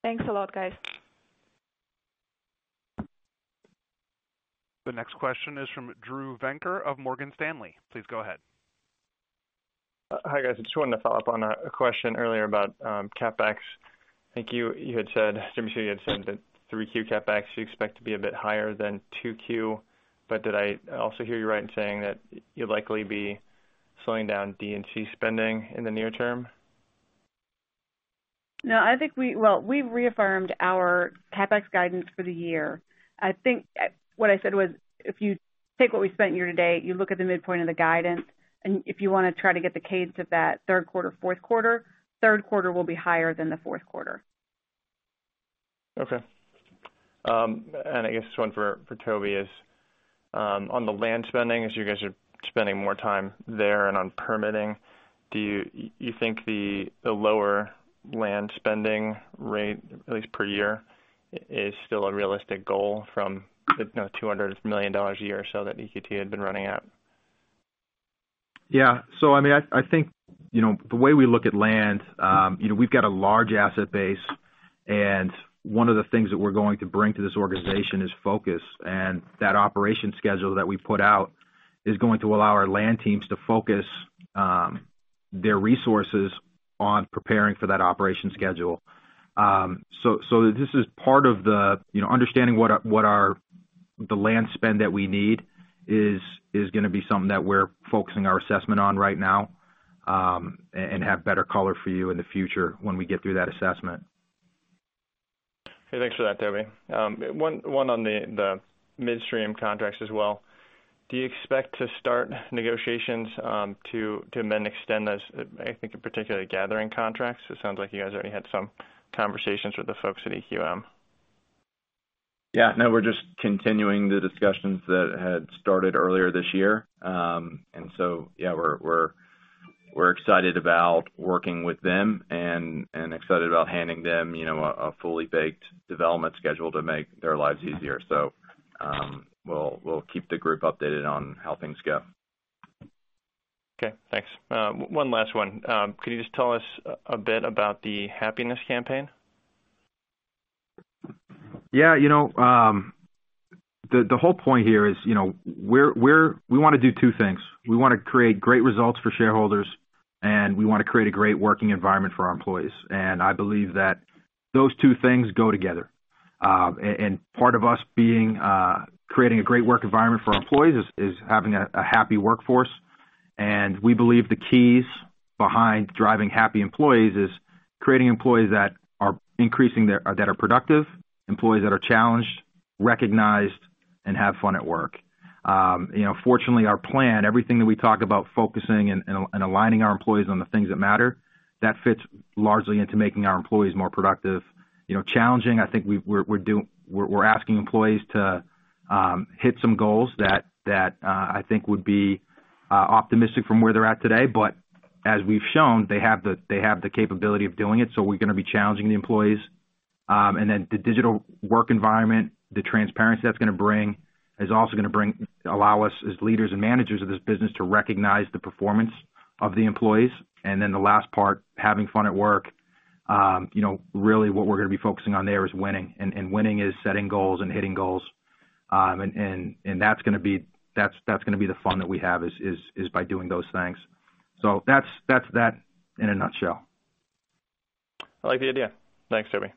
[SPEAKER 15] Thanks a lot, guys.
[SPEAKER 1] The next question is from Drew Venker of Morgan Stanley. Please go ahead.
[SPEAKER 16] Hi, guys. I just wanted to follow up on a question earlier about CapEx. I think you had said, Jimmi Sue, you had said that 3Q CapEx you expect to be a bit higher than 2Q, but did I also hear you right in saying that you'll likely be slowing down D&C spending in the near term?
[SPEAKER 5] No, well, we've reaffirmed our CapEx guidance for the year. I think what I said was if you take what we've spent year to date, you look at the midpoint of the guidance, if you want to try to get the cadence of that third quarter, fourth quarter, third quarter will be higher than the fourth quarter.
[SPEAKER 16] Okay. I guess this one for Toby is, on the land spending, as you guys are spending more time there and on permitting, do you think the lower land spending rate, at least per year, is still a realistic goal from the $200 million a year or so that EQT had been running at?
[SPEAKER 4] Yeah. I think the way we look at land, we've got a large asset base, and one of the things that we're going to bring to this organization is focus. That operation schedule that we put out is going to allow our land teams to focus their resources on preparing for that operation schedule. This is part of the understanding what the land spend that we need is going to be something that we're focusing our assessment on right now, and have better color for you in the future when we get through that assessment.
[SPEAKER 16] Hey, thanks for that, Toby. One on the midstream contracts as well. Do you expect to start negotiations to then extend those, I think, particularly gathering contracts? It sounds like you guys already had some conversations with the folks at EQM.
[SPEAKER 2] Yeah. No, we're just continuing the discussions that had started earlier this year. Yeah, we're excited about working with them and excited about handing them a fully baked development schedule to make their lives easier. We'll keep the group updated on how things go.
[SPEAKER 16] Okay, thanks. One last one. Could you just tell us a bit about the happiness campaign?
[SPEAKER 4] Yeah. The whole point here is we want to do two things. We want to create great results for shareholders, and we want to create a great working environment for our employees. I believe that those two things go together. Part of us creating a great work environment for our employees is having a happy workforce. We believe the keys behind driving happy employees is creating employees that are productive, employees that are challenged, recognized, and have fun at work. Fortunately, our plan, everything that we talk about focusing and aligning our employees on the things that matter, that fits largely into making our employees more productive. Challenging, I think we're asking employees to hit some goals that I think would be optimistic from where they're at today, but As we've shown, they have the capability of doing it, so we're going to be challenging the employees. The digital work environment, the transparency that's going to bring is also going to allow us as leaders and managers of this business to recognize the performance of the employees. The last part, having fun at work. Really what we're going to be focusing on there is winning, and winning is setting goals and hitting goals. That's going to be the fun that we have, is by doing those things. That's that in a nutshell.
[SPEAKER 16] I like the idea. Thanks, Toby.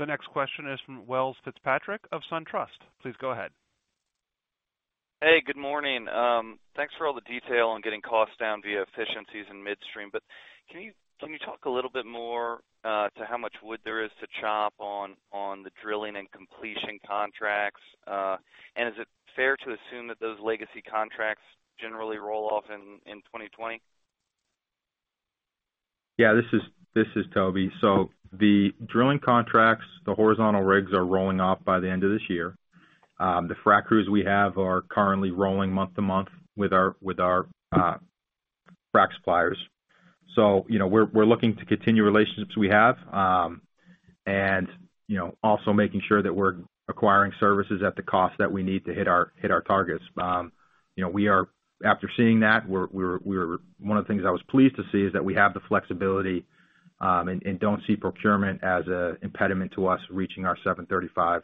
[SPEAKER 1] The next question is from Welles Fitzpatrick of SunTrust. Please go ahead.
[SPEAKER 17] Hey, good morning. Thanks for all the detail on getting costs down via efficiencies in midstream. Can you talk a little bit more to how much wood there is to chop on the drilling and completion contracts? Is it fair to assume that those legacy contracts generally roll off in 2020?
[SPEAKER 4] Yeah. This is Toby. The drilling contracts, the horizontal rigs are rolling off by the end of this year. The frac crews we have are currently rolling month to month with our frac suppliers. We're looking to continue relationships we have, and also making sure that we're acquiring services at the cost that we need to hit our targets. After seeing that, one of the things I was pleased to see is that we have the flexibility, and don't see procurement as an impediment to us reaching our 735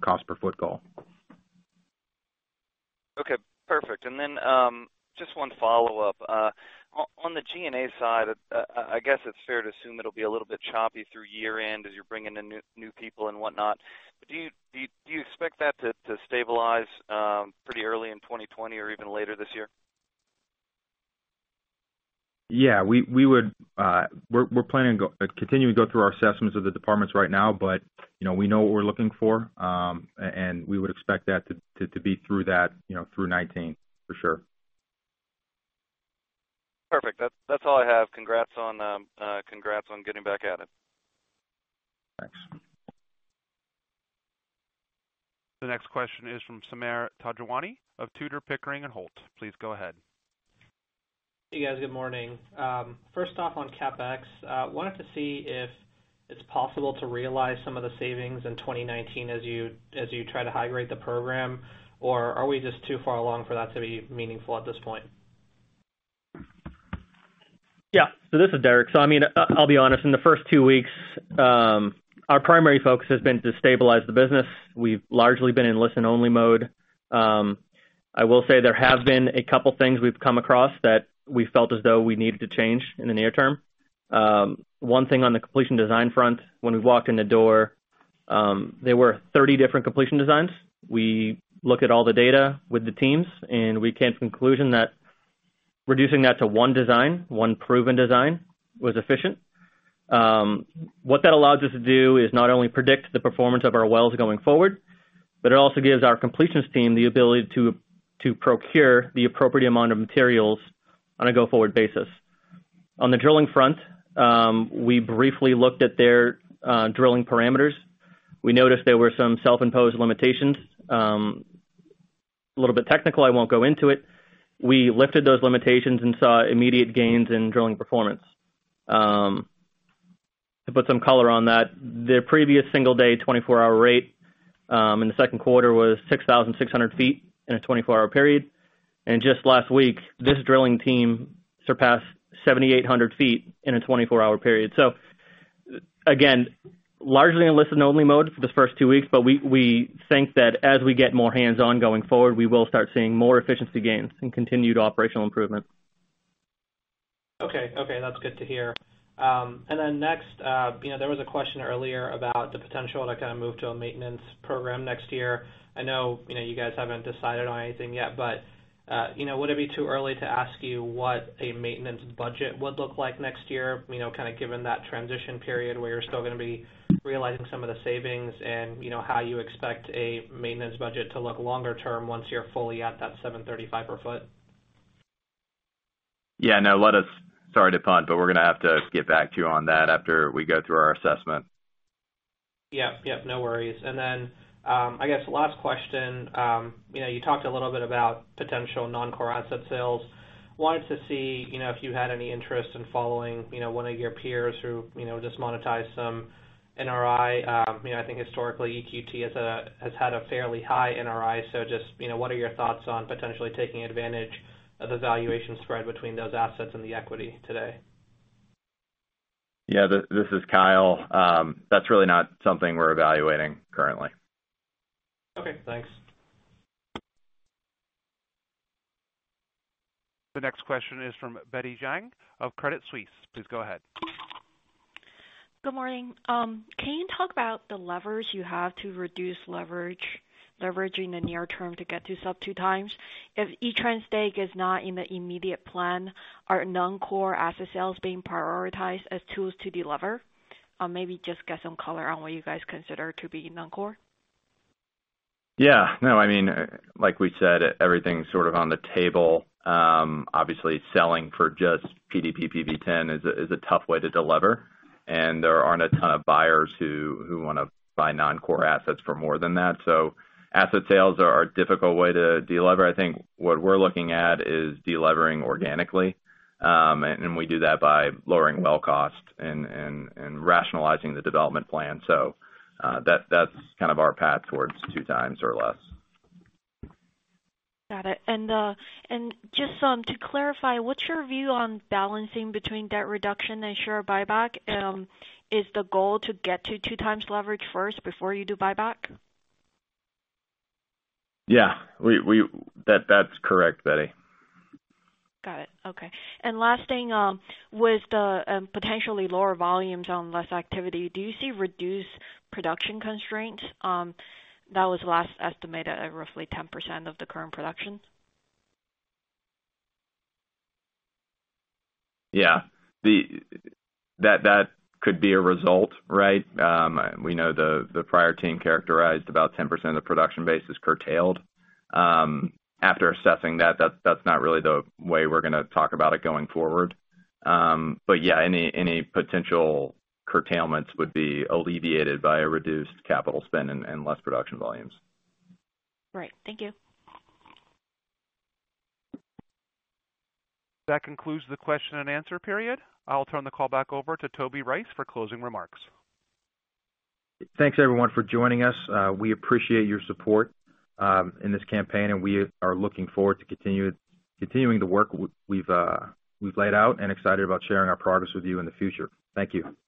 [SPEAKER 4] cost per ft goal.
[SPEAKER 17] Okay, perfect. Just one follow-up. On the G&A side, I guess it's fair to assume it'll be a little bit choppy through year-end as you're bringing in new people and whatnot. Do you expect that to stabilize pretty early in 2020 or even later this year?
[SPEAKER 4] Yeah. We're planning to continue to go through our assessments of the departments right now, but we know what we're looking for. We would expect that to be through 2019, for sure.
[SPEAKER 17] Perfect. That's all I have. Congrats on getting back at it.
[SPEAKER 4] Thanks.
[SPEAKER 1] The next question is from Sameer Panjwani of Tudor, Pickering & Holt. Please go ahead.
[SPEAKER 18] Hey, guys. Good morning. First off on CapEx, wanted to see if it's possible to realize some of the savings in 2019 as you try to hydrate the program, or are we just too far along for that to be meaningful at this point?
[SPEAKER 11] Yeah. This is Derek. I'll be honest, in the first two weeks, our primary focus has been to stabilize the business. We've largely been in listen-only mode. I will say there have been a couple things we've come across that we felt as though we needed to change in the near term. One thing on the completion design front, when we walked in the door, there were 30 different completion designs. We looked at all the data with the teams, and we came to conclusion that reducing that to one design, one proven design, was efficient. What that allows us to do is not only predict the performance of our wells going forward, but it also gives our completions team the ability to procure the appropriate amount of materials on a go-forward basis. On the drilling front, we briefly looked at their drilling parameters. We noticed there were some self-imposed limitations. A little bit technical, I won't go into it. We lifted those limitations and saw immediate gains in drilling performance. To put some color on that, their previous single day 24-hour rate in the second quarter was 6,600 ft in a 24-hour period. Just last week, this drilling team surpassed 7,800 ft in a 24-hour period. Again, largely in listen-only mode for the first two weeks, but we think that as we get more hands-on going forward, we will start seeing more efficiency gains and continued operational improvement.
[SPEAKER 18] Okay. That's good to hear. Next, there was a question earlier about the potential to kind of move to a maintenance program next year. I know you guys haven't decided on anything yet, but would it be too early to ask you what a maintenance budget would look like next year? Kind of given that transition period where you're still going to be realizing some of the savings and how you expect a maintenance budget to look longer term once you're fully at that 735 per ft.
[SPEAKER 2] Yeah. No, let us Sorry to punt, but we're going to have to get back to you on that after we go through our assessment.
[SPEAKER 18] Yep. No worries. I guess last question. You talked a little bit about potential non-core asset sales. Wanted to see if you had any interest in following one of your peers who just monetized some NRI. I think historically, EQT has had a fairly high NRI, so just what are your thoughts on potentially taking advantage of the valuation spread between those assets and the equity today?
[SPEAKER 2] Yeah. This is Kyle. That's really not something we're evaluating currently.
[SPEAKER 18] Okay, thanks.
[SPEAKER 1] The next question is from Betty Jiang of Credit Suisse. Please go ahead.
[SPEAKER 19] Good morning. Can you talk about the levers you have to reduce leverage in the near term to get to sub 2x? If ETRN's stake is not in the immediate plan, are non-core asset sales being prioritized as tools to delever? Maybe just get some color on what you guys consider to be non-core.
[SPEAKER 2] Yeah. No, like we said, everything's sort of on the table. Obviously, selling for just PDP PV-10 is a tough way to delever, and there aren't a ton of buyers who want to buy non-core assets for more than that. Asset sales are a difficult way to delever. I think what we're looking at is delevering organically. We do that by lowering well cost and rationalizing the development plan. That's kind of our path towards two times or less.
[SPEAKER 19] Got it. Just to clarify, what's your view on balancing between debt reduction and share buyback? Is the goal to get to 2x leverage first before you do buyback?
[SPEAKER 2] Yeah. That's correct, Betty.
[SPEAKER 19] Got it. Okay. Last thing, with the potentially lower volumes on less activity, do you see reduced production constraints? That was last estimated at roughly 10% of the current production.
[SPEAKER 2] Yeah. That could be a result, right? We know the prior team characterized about 10% of the production base as curtailed. After assessing that's not really the way we're going to talk about it going forward. Yeah, any potential curtailments would be alleviated by a reduced capital spend and less production volumes.
[SPEAKER 19] Right. Thank you.
[SPEAKER 1] That concludes the question and answer period. I'll turn the call back over to Toby Rice for closing remarks.
[SPEAKER 4] Thanks, everyone, for joining us. We appreciate your support in this campaign, and we are looking forward to continuing the work we've laid out, and excited about sharing our progress with you in the future. Thank you.